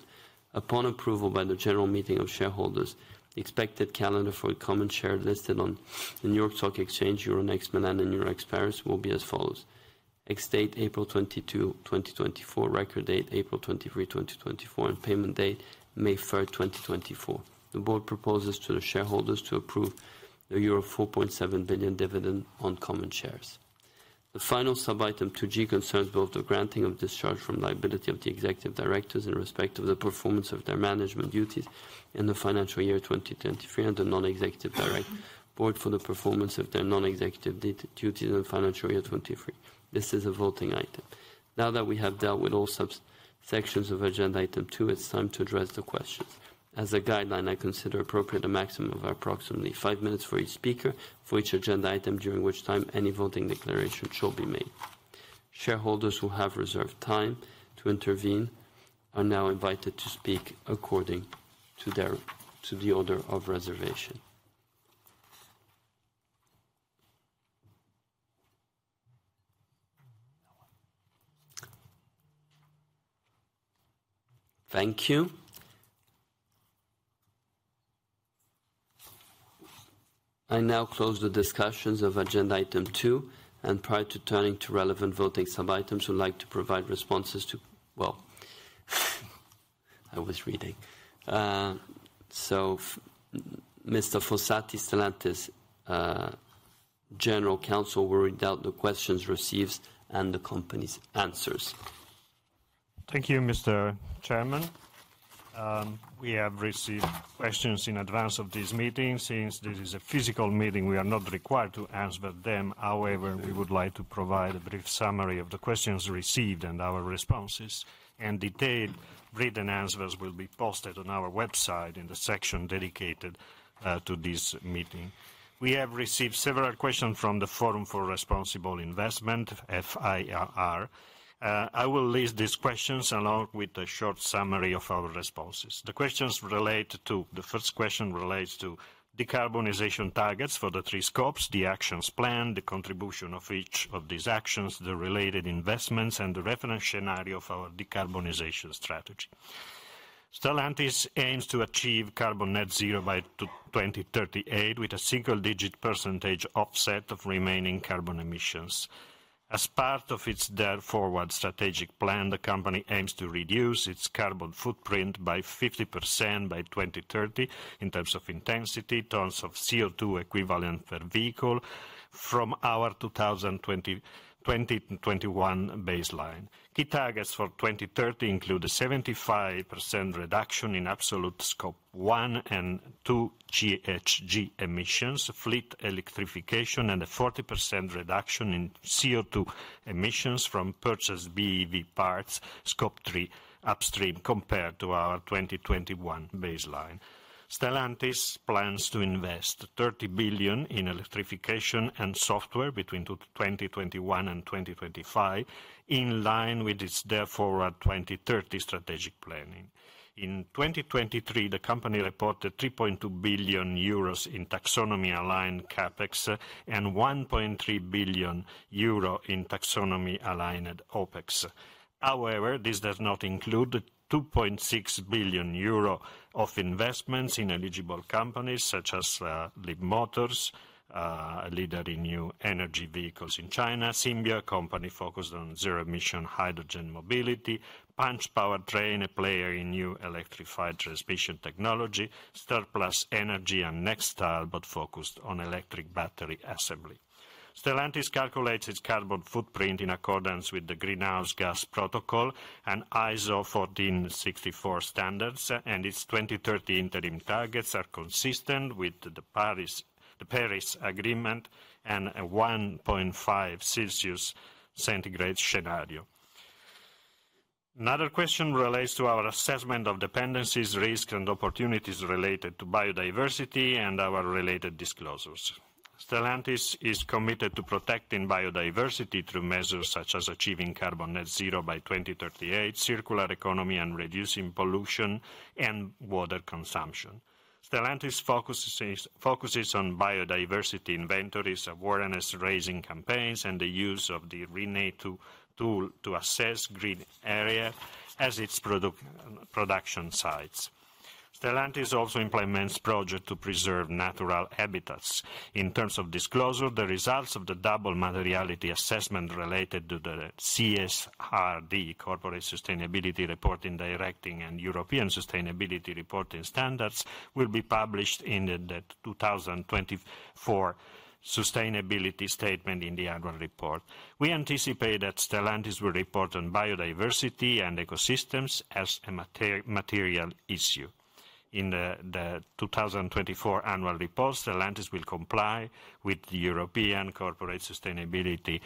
Upon approval by the general meeting of shareholders, the expected calendar for common shares listed on the New York Stock Exchange, Euronext Milan, and Euronext Paris will be as follows: ex-date April 22, 2024, record date April 23, 2024, and payment date May 3, 2024. The board proposes to the shareholders to approve the euro 4.7 billion dividend on common shares. The final sub-item two G concerns both the granting of discharge from liability of the executive directors in respect of the performance of their management duties in the financial year 2023 and the non-executive board for the performance of their non-executive duties in the financial year 2023. This is a voting item. Now that we have dealt with all subsections of agenda item two, it's time to address the questions. As a guideline, I consider appropriate a maximum of approximately five minutes for each speaker for each agenda item, during which time any voting declaration shall be made. Shareholders who have reserved time to intervene are now invited to speak according to the order of reservation. Thank you. I now close the discussions of agenda item two. Prior to turning to relevant voting sub-items, I would like to provide responses to well, I was reading. So, Mr. Fossati, Stellantis General Counsel, worried about the questions received and the company's answers. Thank you, Mr. Chairman. We have received questions in advance of this meeting. Since this is a physical meeting, we are not required to answer them. However, we would like to provide a brief summary of the questions received and our responses. Detailed written answers will be posted on our website in the section dedicated to this meeting. We have received several questions from the Forum for Responsible Investment, FIR. I will list these questions along with a short summary of our responses. The first question relates to decarbonization targets for the three scopes, the action plan, the contribution of each of these actions, the related investments, and the reference scenario of our decarbonization strategy. Stellantis aims to achieve Carbon Net Zero by 2038 with a single-digit % offset of remaining carbon emissions. As part of its Dare Forward strategic plan, the company aims to reduce its carbon footprint by 50% by 2030 in terms of intensity, tons of CO2 equivalent per vehicle from our 2020-2021 baseline. Key targets for 2030 include a 75% reduction in absolute Scope 1 and 2 GHG emissions, fleet electrification, and a 40% reduction in CO2 emissions from purchased BEV parts, Scope 3, upstream compared to our 2021 baseline. Stellantis plans to invest 30 billion in electrification and software between 2021 and 2025 in line with its Dare Forward 2030 strategic planning. In 2023, the company reported 3.2 billion euros in taxonomy-aligned CAPEX and 1.3 billion euro in taxonomy-aligned OPEX. However, this does not include 2.6 billion euro of investments in eligible companies such as Leapmotor, a leader in new energy vehicles in China, Symbio, a company focused on zero-emission hydrogen mobility, Punch Powertrain, a player in new electrified transmission technology, StarPlus Energy, and NextStar Energy, but focused on electric battery assembly. Stellantis calculates its carbon footprint in accordance with the Greenhouse Gas Protocol and ISO 14064 standards, and its 2030 interim targets are consistent with the Paris Agreement and a 1.5 Celsius centigrade scenario. Another question relates to our assessment of dependencies, risks, and opportunities related to biodiversity and our related disclosures. Stellantis is committed to protecting biodiversity through measures such as achieving carbon net zero by 2038, circular economy, and reducing pollution and water consumption. Stellantis focuses on biodiversity inventories, awareness-raising campaigns, and the use of the RENATU tool to assess green areas as its production sites. Stellantis also implements projects to preserve natural habitats. In terms of disclosure, the results of the double materiality assessment related to the CSRD, Corporate Sustainability Reporting Directive, and European Sustainability Reporting Standards will be published in the 2024 sustainability statement in the annual report. We anticipate that Stellantis will report on biodiversity and ecosystems as a material issue. In the 2024 annual report, Stellantis will comply with the European Corporate Sustainability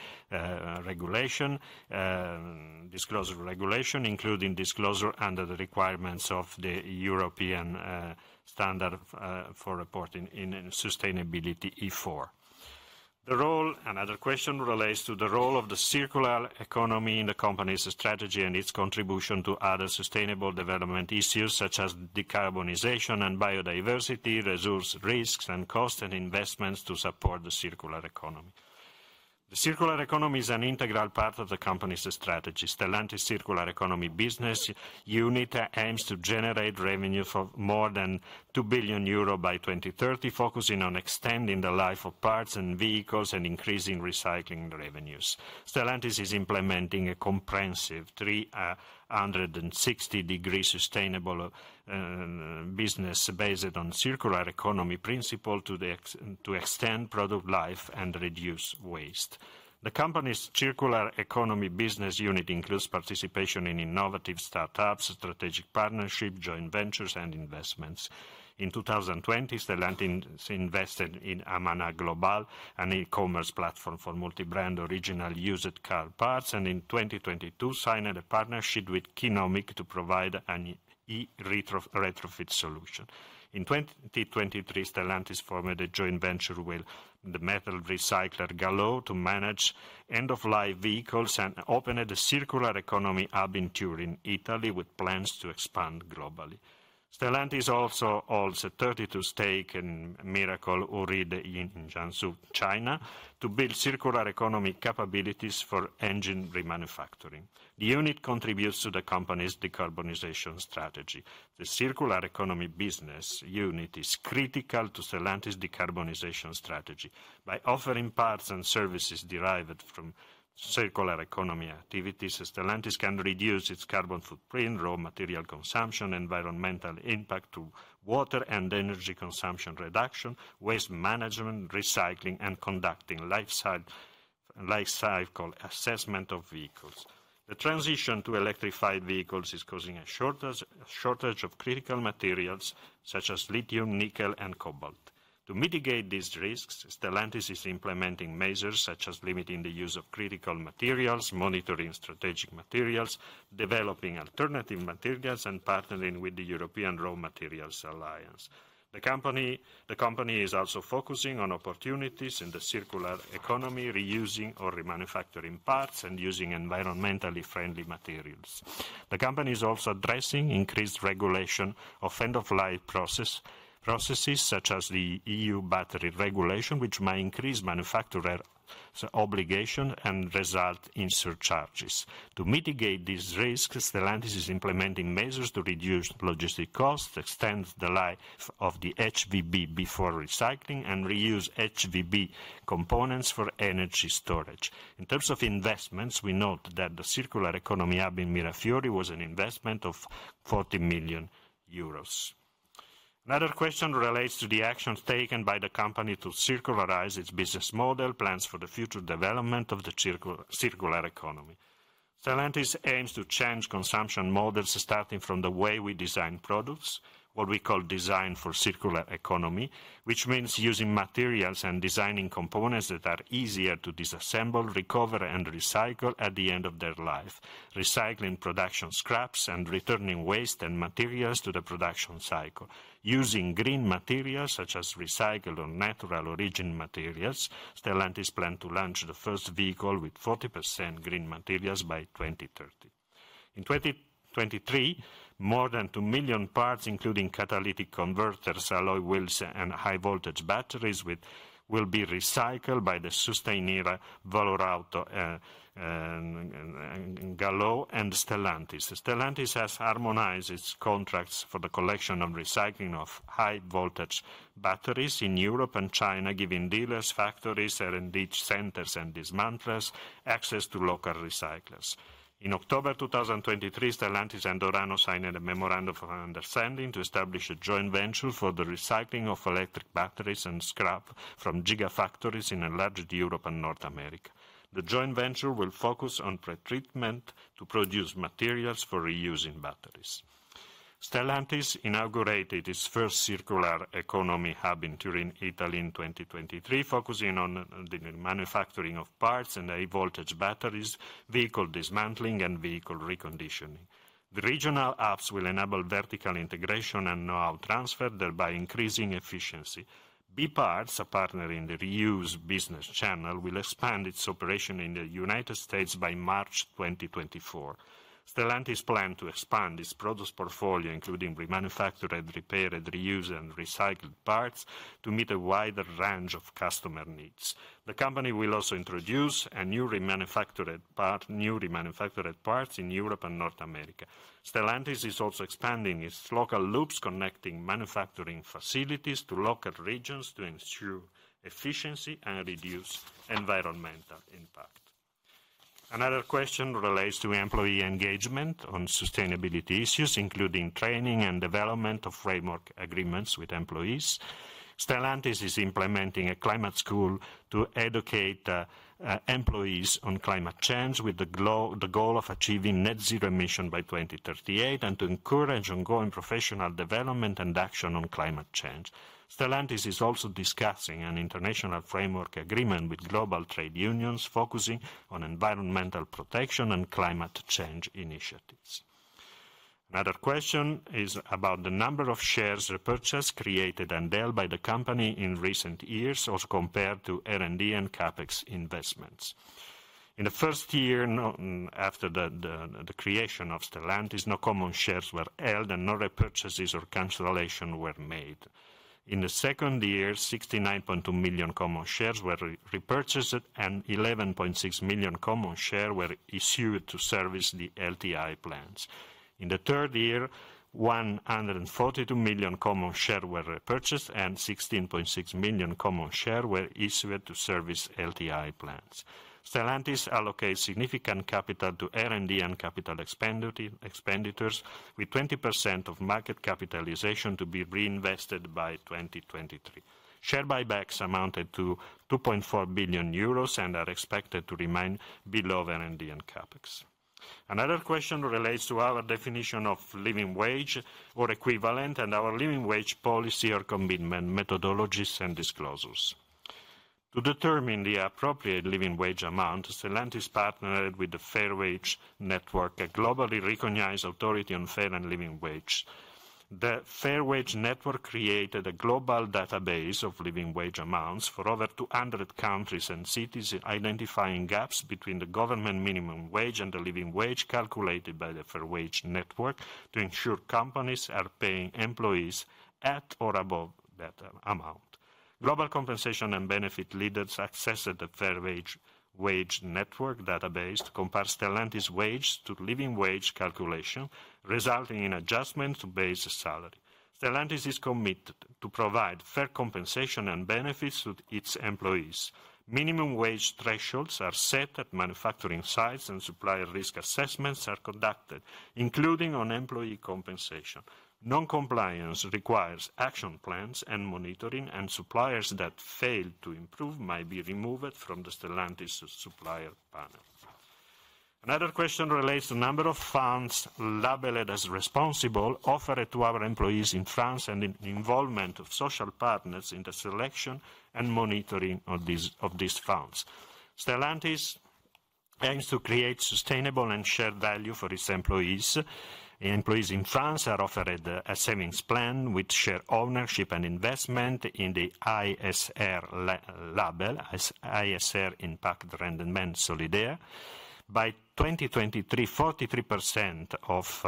Disclosure Regulation, including disclosure under the requirements of the European Standard for Reporting in Sustainability, ESRS. The role another question relates to the role of the circular economy in the company's strategy and its contribution to other sustainable development issues such as decarbonization and biodiversity, resource risks, and costs and investments to support the circular economy. The circular economy is an integral part of the company's strategy. Stellantis Circular Economy Business Unit aims to generate revenue for more than 2 billion euro by 2030, focusing on extending the life of parts and vehicles and increasing recycling revenues. Stellantis is implementing a comprehensive 360-degree sustainable business based on circular economy principle to extend product life and reduce waste. The company's Circular Economy Business Unit includes participation in innovative startups, strategic partnerships, joint ventures, and investments. In 2020, Stellantis invested in B-Parts, an e-commerce platform for multi-brand original used car parts, and in 2022, signed a partnership with Qinomic to provide an e-retrofit solution. In 2023, Stellantis formed a joint venture with the metal recycler Galloo to manage end-of-life vehicles and opened the Circular Economy Hub in Turin, Italy, with plans to expand globally. Stellantis also holds a 32% stake, uncertain in Jiangsu, China, to build circular economy capabilities for engine remanufacturing. The unit contributes to the company's decarbonization strategy. The Circular Economy Business Unit is critical to Stellantis' decarbonization strategy. By offering parts and services derived from circular economy activities, Stellantis can reduce its carbon footprint, raw material consumption, environmental impact through water and energy consumption reduction, waste management, recycling, and conducting lifecycle assessment of vehicles. The transition to electrified vehicles is causing a shortage of critical materials such as lithium, nickel, and cobalt. To mitigate these risks, Stellantis is implementing measures such as limiting the use of critical materials, monitoring strategic materials, developing alternative materials, and partnering with the European Raw Materials Alliance. The company is also focusing on opportunities in the circular economy, reusing or remanufacturing parts, and using environmentally friendly materials. The company is also addressing increased regulation of end-of-life processes such as the EU battery regulation, which may increase manufacturer obligations and result in surcharges. To mitigate these risks, Stellantis is implementing measures to reduce logistic costs, extend the life of the HVB before recycling, and reuse HVB components for energy storage. In terms of investments, we note that the Circular Economy Hub in Mirafiori was an investment of 40 million euros. Another question relates to the actions taken by the company to circularize its business model, plans for the future development of the circular economy. Stellantis aims to change consumption models starting from the way we design products, what we call design for circular economy, which means using materials and designing components that are easier to disassemble, recover, and recycle at the end of their life, recycling production scraps and returning waste and materials to the production cycle. Using green materials such as recycled or natural-origin materials, Stellantis plans to launch the first vehicle with 40% green materials by 2030. In 2023, more than two million parts, including catalytic converters, alloy wheels, and high-voltage batteries, will be recycled by the SUSTAINera, VALORAUTO, Galloo, and Stellantis. Stellantis has harmonized its contracts for the collection and recycling of high-voltage batteries in Europe and China, giving dealers, factories, R&D centers, and dismantlers access to local recyclers. In October 2023, Stellantis and Orano signed a memorandum of understanding to establish a joint venture for the recycling of electric batteries and scrap from gigafactories in Europe and North America. The joint venture will focus on pretreatment to produce materials for reusing batteries. Stellantis inaugurated its first Circular Economy Hub in Turin, Italy, in 2023, focusing on the manufacturing of parts and high-voltage batteries, vehicle dismantling, and vehicle reconditioning. The regional hubs will enable vertical integration and know-how transfer, thereby increasing efficiency. B-Parts, a partner in the reuse business channel, will expand its operation in the United States by March 2024. Stellantis plans to expand its product portfolio, including remanufactured, repaired, reused, and recycled parts, to meet a wider range of customer needs. The company will also introduce new remanufactured parts in Europe and North America. Stellantis is also expanding its local loops connecting manufacturing facilities to local regions to ensure efficiency and reduce environmental impact. Another question relates to employee engagement on sustainability issues, including training and development of framework agreements with employees. Stellantis is implementing a climate school to educate employees on climate change with the goal of achieving net zero emission by 2038 and to encourage ongoing professional development and action on climate change. Stellantis is also discussing an international framework agreement with global trade unions focusing on environmental protection and climate change initiatives. Another question is about the number of shares repurchased, created, and held by the company in recent years or compared to R&D and CapEx investments. In the first year, after the creation of Stellantis, no common shares were held and no repurchases or cancellations were made. In the second year, 69.2 million common shares were repurchased and 11.6 million common shares were issued to service the LTI plants. In the third year, 142 million common shares were repurchased and 16.6 million common shares were issued to service LTI plants. Stellantis allocates significant capital to R&D and capital expenditures, with 20% of market capitalization to be reinvested by 2023. Share buybacks amounted to 2.4 billion euros and are expected to remain below R&D and CapEx. Another question relates to our definition of living wage or equivalent and our living wage policy or commitment methodologies and disclosures. To determine the appropriate living wage amount, Stellantis partnered with the Fair Wage Network, a globally recognized authority on fair and living wage. The Fair Wage Network created a global database of living wage amounts for over 200 countries and cities, identifying gaps between the government minimum wage and the living wage calculated by the Fair Wage Network to ensure companies are paying employees at or above that amount. Global compensation and benefit leaders accessed the Fair Wage Network database, compared Stellantis' wages to living wage calculation, resulting in adjustments to base salary. Stellantis is committed to provide fair compensation and benefits to its employees. Minimum wage thresholds are set at manufacturing sites and supplier risk assessments are conducted, including on employee compensation. Non-compliance requires action plans and monitoring, and suppliers that fail to improve might be removed from the Stellantis supplier panel. Another question relates to the number of funds labeled as responsible offered to our employees in France and the involvement of social partners in the selection and monitoring of these funds. Stellantis aims to create sustainable and shared value for its employees. Employees in France are offered a savings plan with share ownership and investment in the ISR label, ISR Impact Rendement Solidaire. By 2023, 43% of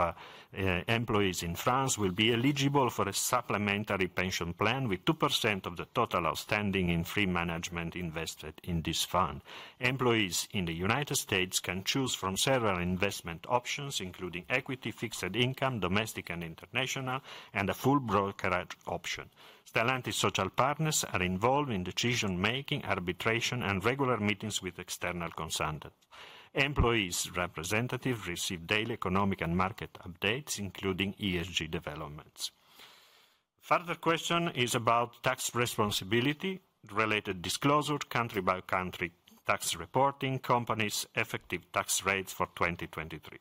employees in France will be eligible for a supplementary pension plan with 2% of the total outstanding in free management invested in this fund. Employees in the United States can choose from several investment options, including equity, fixed income, domestic and international, and a full brokerage option. Stellantis social partners are involved in decision-making, arbitration, and regular meetings with external consultants. Employees' representatives receive daily economic and market updates, including ESG developments. Further question is about tax responsibility-related disclosure, country-by-country tax reporting, companies' effective tax rates for 2023.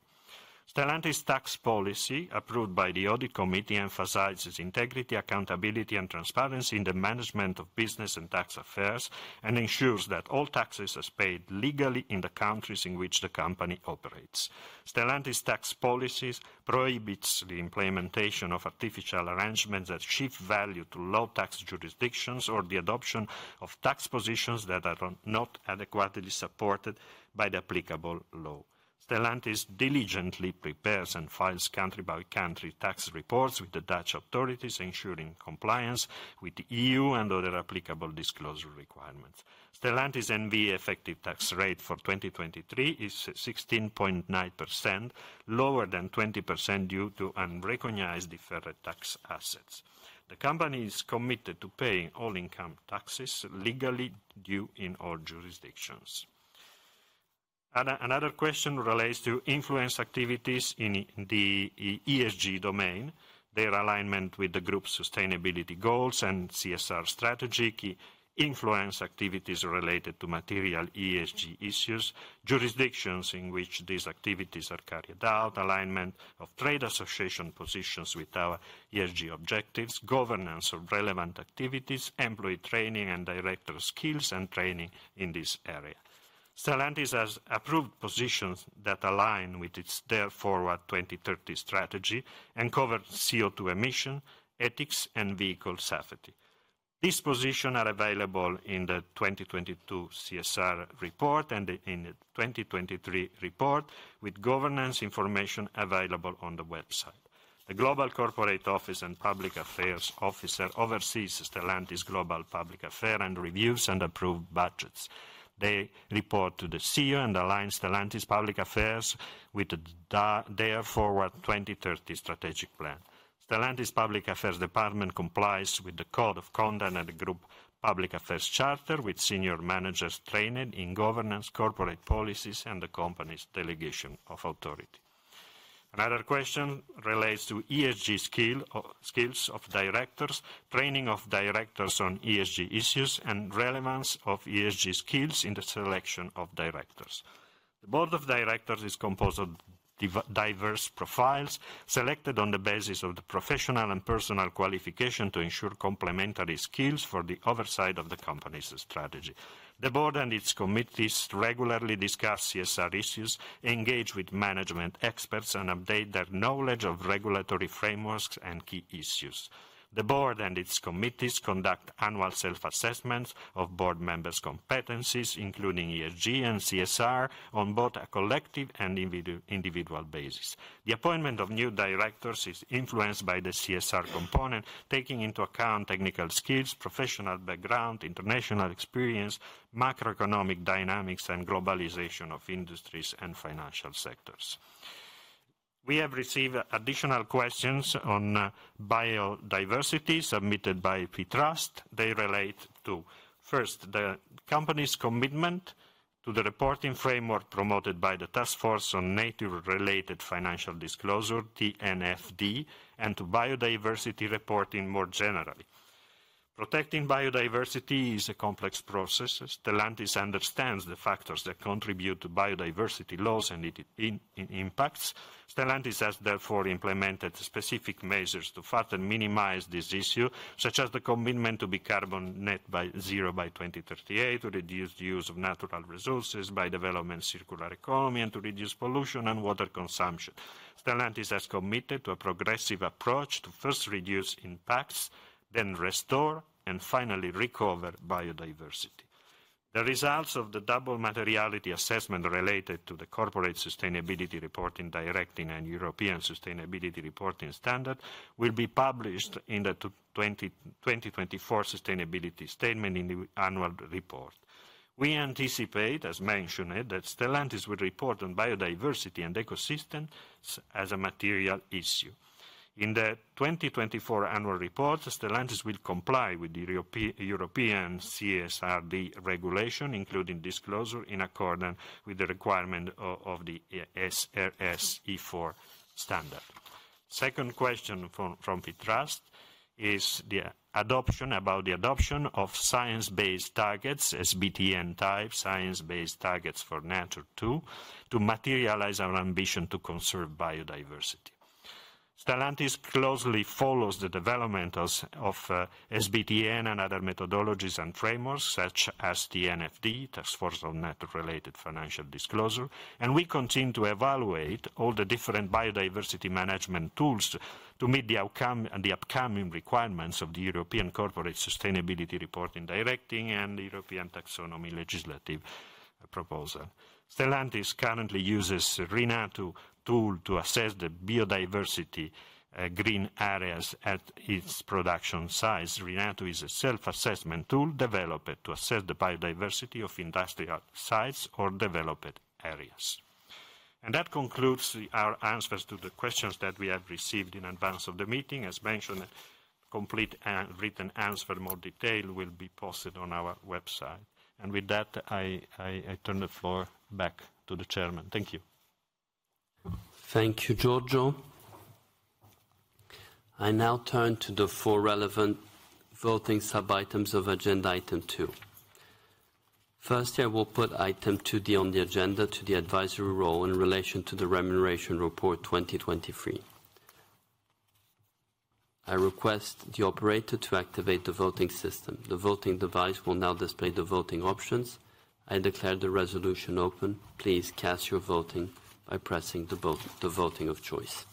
Stellantis' tax policy, approved by the Audit Committee, emphasizes integrity, accountability, and transparency in the management of business and tax affairs and ensures that all taxes are paid legally in the countries in which the company operates. Stellantis' tax policies prohibit the implementation of artificial arrangements that shift value to low-tax jurisdictions or the adoption of tax positions that are not adequately supported by the applicable law. Stellantis diligently prepares and files country-by-country tax reports with the Dutch authorities, ensuring compliance with the EU and other applicable disclosure requirements. Stellantis' NV effective tax rate for 2023 is 16.9%, lower than 20% due to unrecognized deferred tax assets. The company is committed to paying all income taxes legally due in all jurisdictions. Another question relates to influence activities in the ESG domain, their alignment with the group's sustainability goals and CSR strategy, key influence activities related to material ESG issues, jurisdictions in which these activities are carried out, alignment of trade association positions with our ESG objectives, governance of relevant activities, employee training and director skills and training in this area. Stellantis has approved positions that align with its Dare Forward 2030 strategy and cover CO2 emission, ethics, and vehicle safety. These positions are available in the 2022 CSR report and in the 2023 report, with governance information available on the website. The Global Corporate Office and Public Affairs Officer oversees Stellantis' global public affairs and reviews and approves budgets. They report to the CEO and align Stellantis' public affairs with the Dare Forward 2030 strategic plan. Stellantis' Public Affairs Department complies with the Code of Conduct and the Group Public Affairs Charter, with senior managers trained in governance, corporate policies, and the company's delegation of authority. Another question relates to ESG skills of directors, training of directors on ESG issues, and relevance of ESG skills in the selection of directors. The board of directors is composed of diverse profiles, selected on the basis of the professional and personal qualification to ensure complementary skills for the oversight of the company's strategy. The board and its committees regularly discuss CSR issues, engage with management experts, and update their knowledge of regulatory frameworks and key issues. The board and its committees conduct annual self-assessments of board members' competencies, including ESG and CSR, on both a collective and individual basis. The appointment of new directors is influenced by the CSR component, taking into account technical skills, professional background, international experience, macroeconomic dynamics, and globalization of industries and financial sectors. We have received additional questions on biodiversity submitted by Phitrust. They relate to, first, the company's commitment to the reporting framework promoted by the Taskforce on Nature-related Financial Disclosures, TNFD, and to biodiversity reporting more generally. Protecting biodiversity is a complex process. Stellantis understands the factors that contribute to biodiversity loss and its impacts. Stellantis has, therefore, implemented specific measures to further minimize this issue, such as the commitment to be carbon net zero by 2038, to reduce the use of natural resources by developing a circular economy, and to reduce pollution and water consumption. Stellantis has committed to a progressive approach to first reduce impacts, then restore, and finally recover biodiversity. The results of the double materiality assessment related to the Corporate Sustainability Reporting Directive and European Sustainability Reporting Standard will be published in the 2024 Sustainability Statement in the annual report. We anticipate, as mentioned, that Stellantis will report on biodiversity and ecosystems as a material issue. In the 2024 annual report, Stellantis will comply with the European CSRD regulation, including disclosure, in accordance with the requirement of the ESRS E4 standard. Second question from Phitrust is about the adoption of Science Based Targets for Nature, to materialize our ambition to conserve biodiversity. Stellantis closely follows the development of SBTN and other methodologies and frameworks, such as TNFD, Taskforce on Nature-related Financial Disclosures, and we continue to evaluate all the different biodiversity management tools to meet the upcoming requirements of the European Corporate Sustainability Reporting Directive and the European Taxonomy Legislative Proposal. Stellantis currently uses the RENATU tool to assess the biodiversity of green areas at its production sites. RENATU is a self-assessment tool developed to assess the biodiversity of industrial sites or developed areas. That concludes our answers to the questions that we have received in advance of the meeting. As mentioned, complete and written answers in more detail will be posted on our website. And with that, I turn the floor back to the chairman. Thank you. Thank you, Giorgio. I now turn to the four relevant voting sub-items of agenda item two. First, I will put item 2D to the advisory vote in relation to the remuneration report 2023. I request the operator to activate the voting system. The voting device will now display the voting options. I declare the resolution open. Please cast your vote by pressing the button of your choice.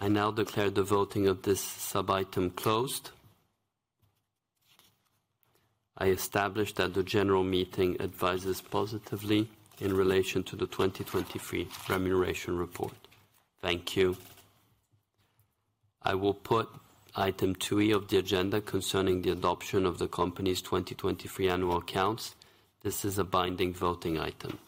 I now declare the voting of this sub-item closed. I establish that the general meeting advises positively in relation to the 2023 remuneration report. Thank you. I will put item 2E of the agenda concerning the adoption of the company's 2023 annual accounts. This is a binding voting item.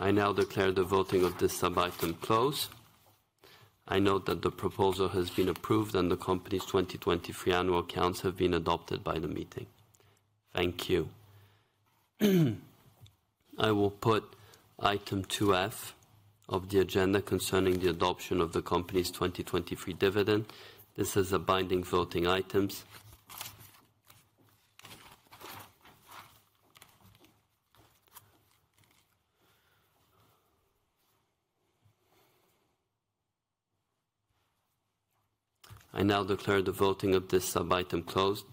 I now declare the voting of this sub-item closed. I note that the proposal has been approved and the company's 2023 annual accounts have been adopted by the meeting. Thank you. I will put item 2F of the agenda concerning the adoption of the company's 2023 dividend. This is a binding voting item. I now declare the voting of this sub-item closed.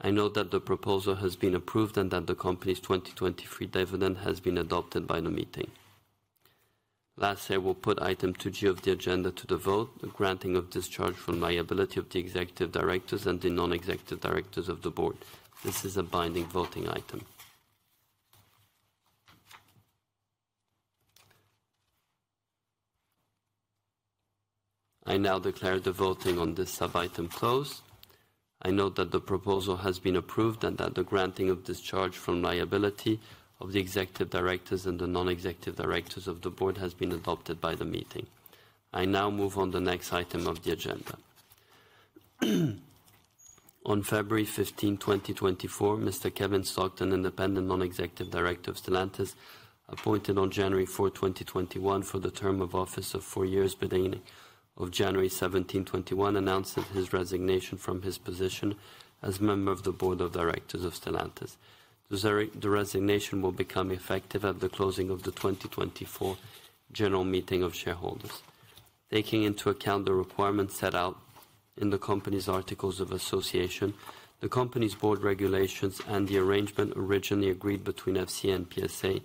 I note that the proposal has been approved and that the company's 2023 dividend has been adopted by the meeting. Last, I will put item 2G of the agenda to the vote, the granting of discharge from liability of the executive directors and the non-executive directors of the board. This is a binding voting item. I now declare the voting on this sub-item closed. I note that the proposal has been approved and that the granting of discharge from liability of the executive directors and the non-executive directors of the board has been adopted by the meeting. I now move on to the next item of the agenda. On February 15, 2024, Mr. Kevin Scott, independent non-executive director of Stellantis, appointed on January 4, 2021, for the term of office of four years, beginning of January 17, 2021, announced his resignation from his position as member of the board of directors of Stellantis. The resignation will become effective at the closing of the 2024 general meeting of shareholders. Taking into account the requirements set out in the company's articles of association, the company's board regulations, and the arrangement originally agreed between FCA and PSA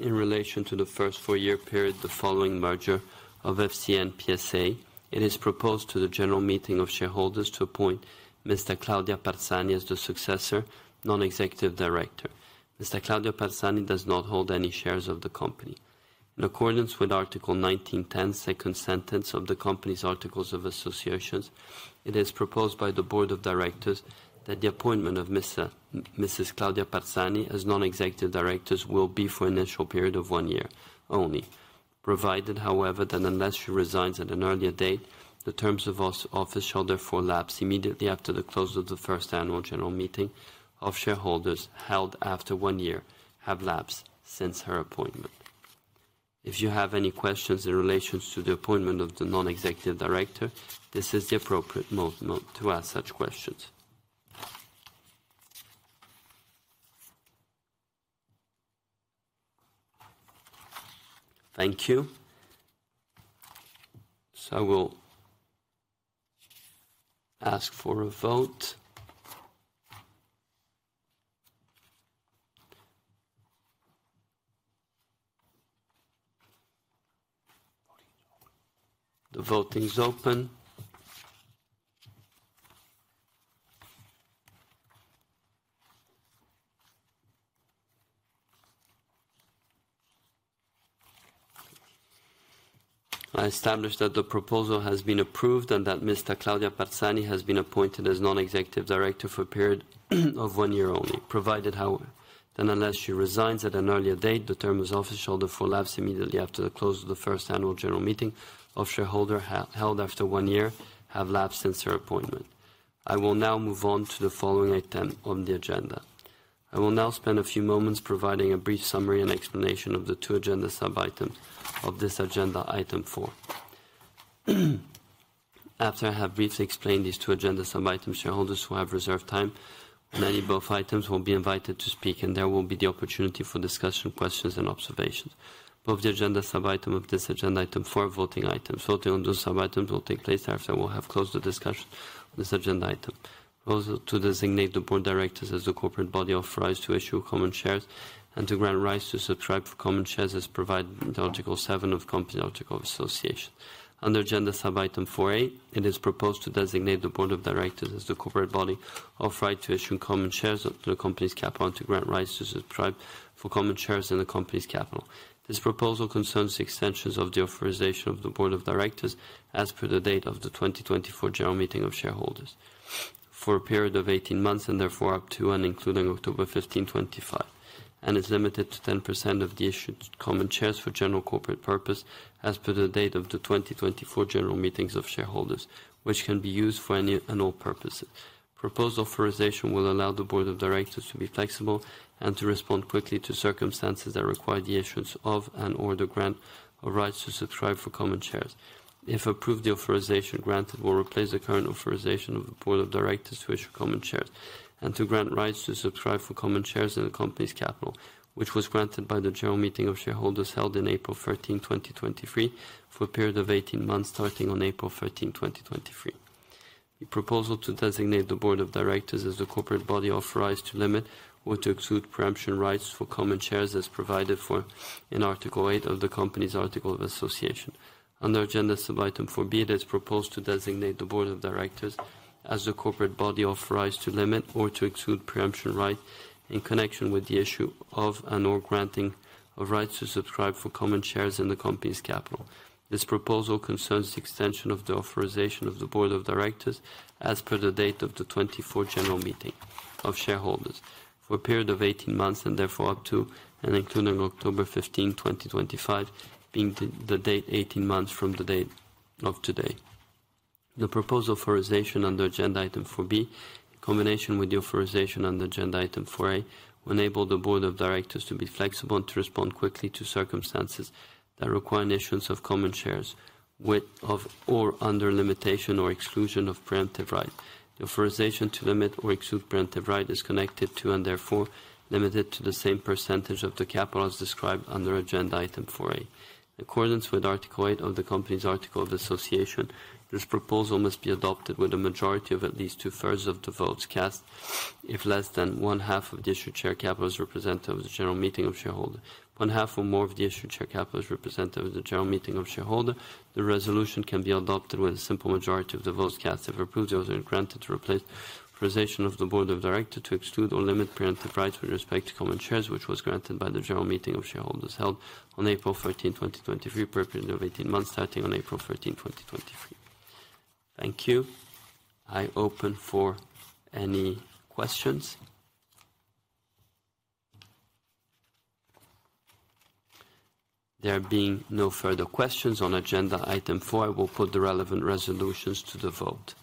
in relation to the first four-year period, following the merger of FCA and PSA, it is proposed to the general meeting of shareholders to appoint Mrs. Claudia Parzani as the successor non-executive director. Mrs. Claudia Parzani does not hold any shares of the company. In accordance with Article 1910, second sentence of the company's articles of association, it is proposed by the board of directors that the appointment of Mrs. Claudia Parzani as non-executive director will be for an initial period of one year only, provided, however, that unless she resigns at an earlier date, the terms of office shall therefore lapse immediately after the close of the first annual general meeting of shareholders held after one year have lapsed since her appointment. If you have any questions in relation to the appointment of the non-executive director, this is the appropriate moment to ask such questions. Thank you. I will ask for a vote. The voting's open. I establish that the proposal has been approved and that Ms. Claudia Parzani has been appointed as non-executive director for a period of one year only, provided, however, that unless she resigns at an earlier date, the terms of office shall therefore lapse immediately after the close of the first annual general meeting of shareholders held after one year have lapsed since her appointment. I will now move on to the following item on the agenda. I will now spend a few moments providing a brief summary and explanation of the two agenda sub-items of this agenda, item four. After I have briefly explained these two agenda sub-items, shareholders who have reserved time on any of both items will be invited to speak, and there will be the opportunity for discussion, questions, and observations. Both the agenda sub-item of this agenda, item four, voting items. Voting on those sub-items will take place after I will have closed the discussion on this agenda item. Proposal to designate the Board of Directors as the corporate body authorized to issue common shares and to grant rights to subscribe for common shares as provided in Article 7 of the company's articles of association. Under agenda sub-item 4A, it is proposed to designate the Board of Directors as the corporate body authorized to issue common shares of the company's capital and to grant rights to subscribe for common shares in the company's capital. This proposal concerns the extensions of the authorization of the board of directors as per the date of the 2024 general meeting of shareholders for a period of 18 months and therefore up to and including October 15, 2025, and is limited to 10% of the issued common shares for general corporate purpose as per the date of the 2024 general meetings of shareholders, which can be used for any and all purposes. Proposed authorization will allow the board of directors to be flexible and to respond quickly to circumstances that require the issuance of and/or the grant of rights to subscribe for common shares. If approved, the authorization granted will replace the current authorization of the board of directors to issue common shares and to grant rights to subscribe for common shares in the company's capital, which was granted by the general meeting of shareholders held in April 13, 2023, for a period of 18 months starting on April 13, 2023. The proposal to designate the board of directors as the corporate body authorized to limit or to exclude preemption rights for common shares as provided in Article 8 of the company's articles of association. Under agenda sub-item 4B, it is proposed to designate the board of directors as the corporate body authorized to limit or to exclude preemption rights in connection with the issue of and/or granting of rights to subscribe for common shares in the company's capital. This proposal concerns the extension of the authorization of the board of directors as per the date of the 2024 general meeting of shareholders for a period of 18 months and therefore up to and including October 15, 2025, being the date 18 months from the date of today. The proposed authorization under agenda item 4B, in combination with the authorization under agenda item 4A, will enable the board of directors to be flexible and to respond quickly to circumstances that require issuance of common shares with or under limitation or exclusion of preemptive rights. The authorization to limit or exclude preemptive rights is connected to and therefore limited to the same percentage of the capital as described under agenda item 4A. In accordance with Article 8 of the company's article of association, this proposal must be adopted with a majority of at least two-thirds of the votes cast. If less than one-half of the issued share capital is representative of the general meeting of shareholders, one-half or more of the issued share capital is representative of the general meeting of shareholders, the resolution can be adopted with a simple majority of the votes cast. If approved, the order is granted to replace the authorization of the board of directors to exclude or limit preemptive rights with respect to common shares, which was granted by the general meeting of shareholders held on April 13, 2023, for a period of 18 months starting on April 13, 2023. Thank you. I open for any questions. There being no further questions on agenda item four, I will put the relevant resolutions to the vote.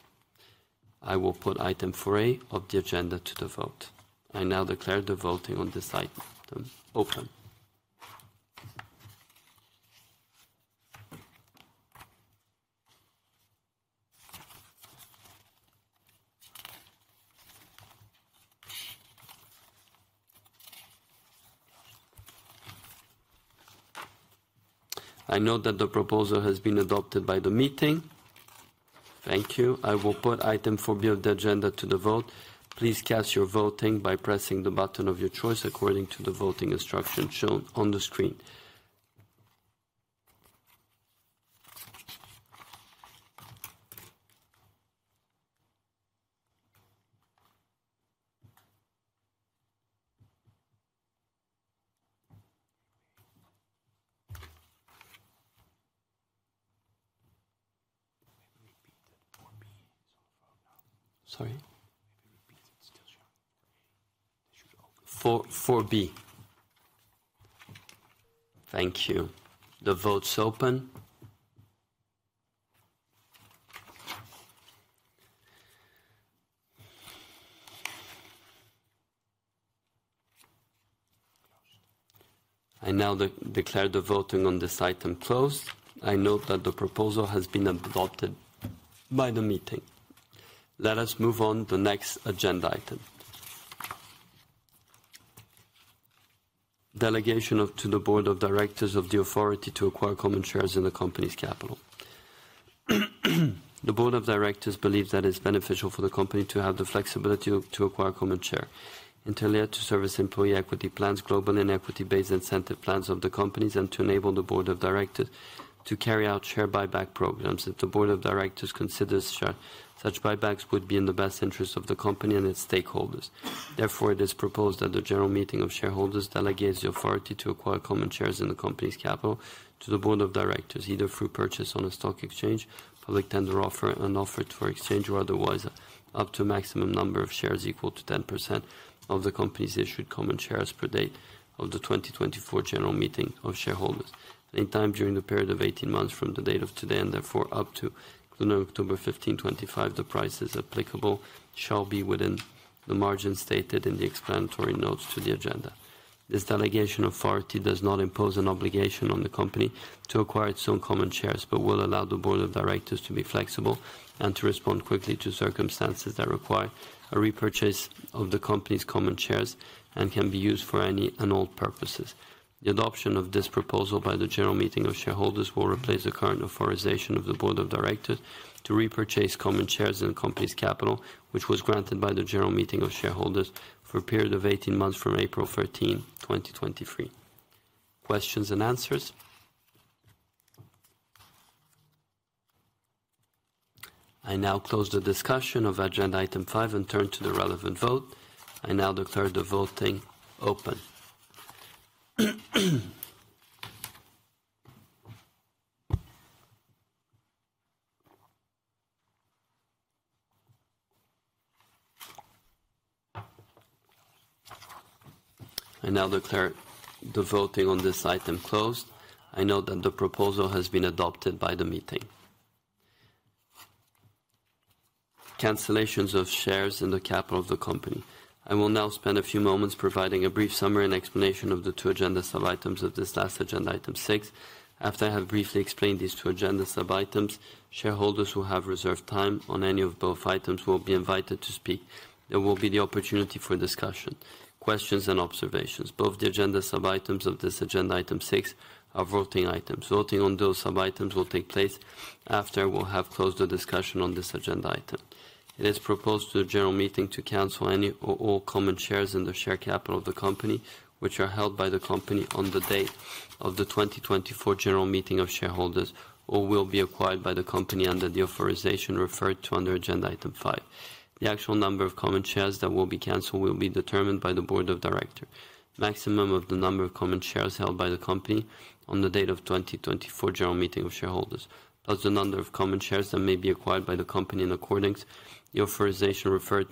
I will put item 4A of the agenda to the vote. I now declare the voting on this item open. I note that the proposal has been adopted by the meeting. Thank you. I will put item 4B of the agenda to the vote. Please cast your voting by pressing the button of your choice according to the voting instructions shown on the screen. Sorry. 4B. Thank you. The vote's open. I now declare the voting on this item closed. I note that the proposal has been adopted by the meeting. Let us move on to the next agenda item. Delegation to the board of directors of the authority to acquire common shares in the company's capital. The board of directors believes that it's beneficial for the company to have the flexibility to acquire common share and to allow it to service employee equity plans, global and equity-based incentive plans of the companies, and to enable the board of directors to carry out share buyback programs. If the board of directors considers such buybacks, it would be in the best interest of the company and its stakeholders. Therefore, it is proposed that the general meeting of shareholders delegates the authority to acquire common shares in the company's capital to the board of directors, either through purchase on a stock exchange, public tender offer, an offer to exchange, or otherwise up to a maximum number of shares equal to 10% of the company's issued common shares per date of the 2024 general meeting of shareholders. Anytime during the period of 18 months from the date of today and therefore up to and including October 15, 2025, the prices applicable shall be within the margin stated in the explanatory notes to the agenda. This delegation of authority does not impose an obligation on the company to acquire its own common shares but will allow the board of directors to be flexible and to respond quickly to circumstances that require a repurchase of the company's common shares and can be used for any and all purposes. The adoption of this proposal by the general meeting of shareholders will replace the current authorization of the board of directors to repurchase common shares in the company's capital, which was granted by the general meeting of shareholders for a period of 18 months from April 13, 2023. Questions and answers? I now close the discussion of agenda item five and turn to the relevant vote. I now declare the voting open. I now declare the voting on this item closed. I note that the proposal has been adopted by the meeting. Cancellations of shares in the capital of the company. I will now spend a few moments providing a brief summary and explanation of the two agenda sub-items of this last agenda, item six. After I have briefly explained these two agenda sub-items, shareholders who have reserved time on any of both items will be invited to speak. There will be the opportunity for discussion. Questions and observations? Both the agenda sub-items of this agenda, item six, are voting items. Voting on those sub-items will take place after I will have closed the discussion on this agenda item. It is proposed to the general meeting to cancel any or all common shares in the share capital of the company, which are held by the company on the date of the 2024 general meeting of shareholders, or will be acquired by the company under the authorization referred to under agenda item five. The actual number of common shares that will be canceled will be determined by the board of directors, maximum of the number of common shares held by the company on the date of the 2024 general meeting of shareholders. That's the number of common shares that may be acquired by the company in accordance with the authorization referred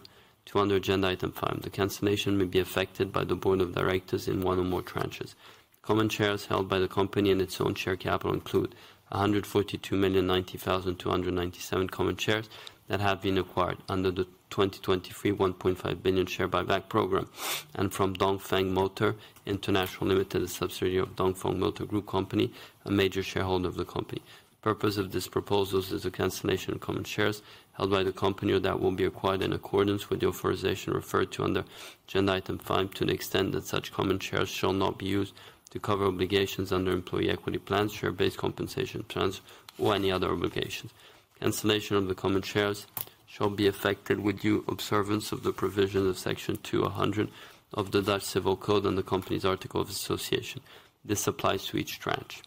to under agenda item five. The cancellation may be affected by the board of directors in one or more tranches. Common shares held by the company in its own share capital include 142,090,297 common shares that have been acquired under the 2023 1.5 billion share buyback program and from Dongfeng Motor International Limited, a subsidiary of Dongfeng Motor Group Company, a major shareholder of the company. The purpose of this proposal is the cancellation of common shares held by the company or that will be acquired in accordance with the authorization referred to under agenda item five to the extent that such common shares shall not be used to cover obligations under employee equity plans, share-based compensation plans, or any other obligations. Cancellation of the common shares shall be effected with due observance of the provisions of Section 200 of the Dutch Civil Code and the company's articles of association. This applies to each tranche.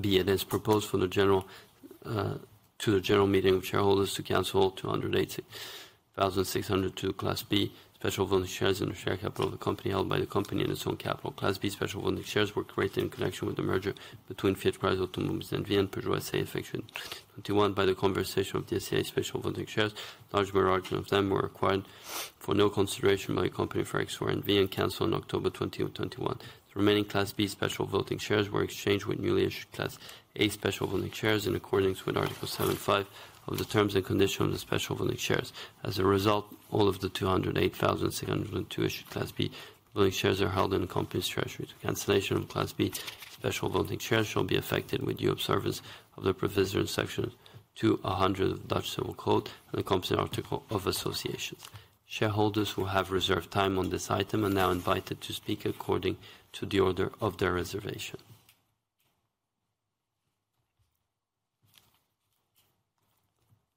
B. It is proposed to the general meeting of shareholders to cancel all 208,602 Class B special voting shares in the share capital of the company held by the company in its own capital. Class B special voting shares were created in connection with the merger between Fiat Chrysler Automobiles and Groupe PSA affixed with. 2021, by the conversion of the SCA special voting shares, a large number of them were acquired for no consideration by the company for ex-PSA and ex-FCA, canceled on October 20, 2021. The remaining Class B special voting shares were exchanged with newly issued Class A special voting shares in accordance with Article 75 of the terms and conditions of the special voting shares. As a result, all of the 208,602 issued Class B voting shares are held in the company's treasury. The cancellation of Class B special voting shares shall be effected with due observance of the provision in Section 200 of the Dutch Civil Code and the company's articles of association. Shareholders who have reserved time on this item are now invited to speak according to the order of their reservation.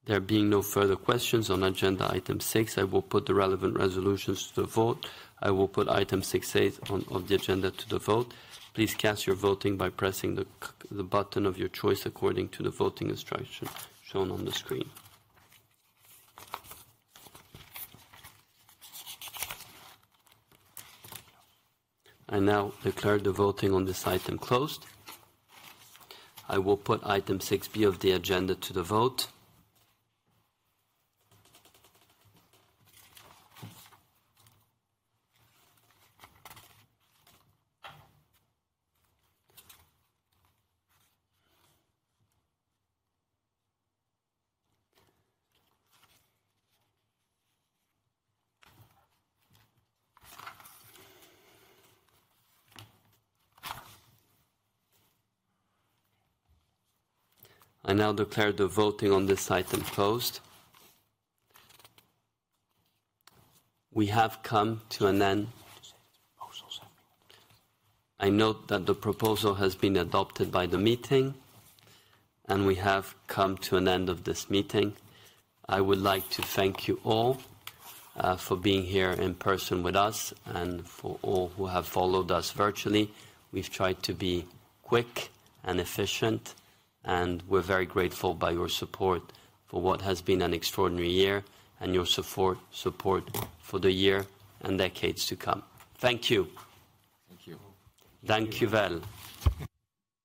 There being no further questions on agenda item six, I will put the relevant resolutions to the vote. I will put item 6A, of the agenda to the vote. Please cast your voting by pressing the button of your choice according to the voting instructions shown on the screen. I now declare the voting on this item closed. I will put item 6B, of the agenda to the vote. I now declare the voting on this item closed. We have come to an end. I note that the proposal has been adopted by the meeting, and we have come to an end of this meeting. I would like to thank you all for being here in person with us and for all who have followed us virtually. We've tried to be quick and efficient, and we're very grateful for your support for what has been an extraordinary year and your support for the years and decades to come. Thank you. Thank you. Thank you. Well.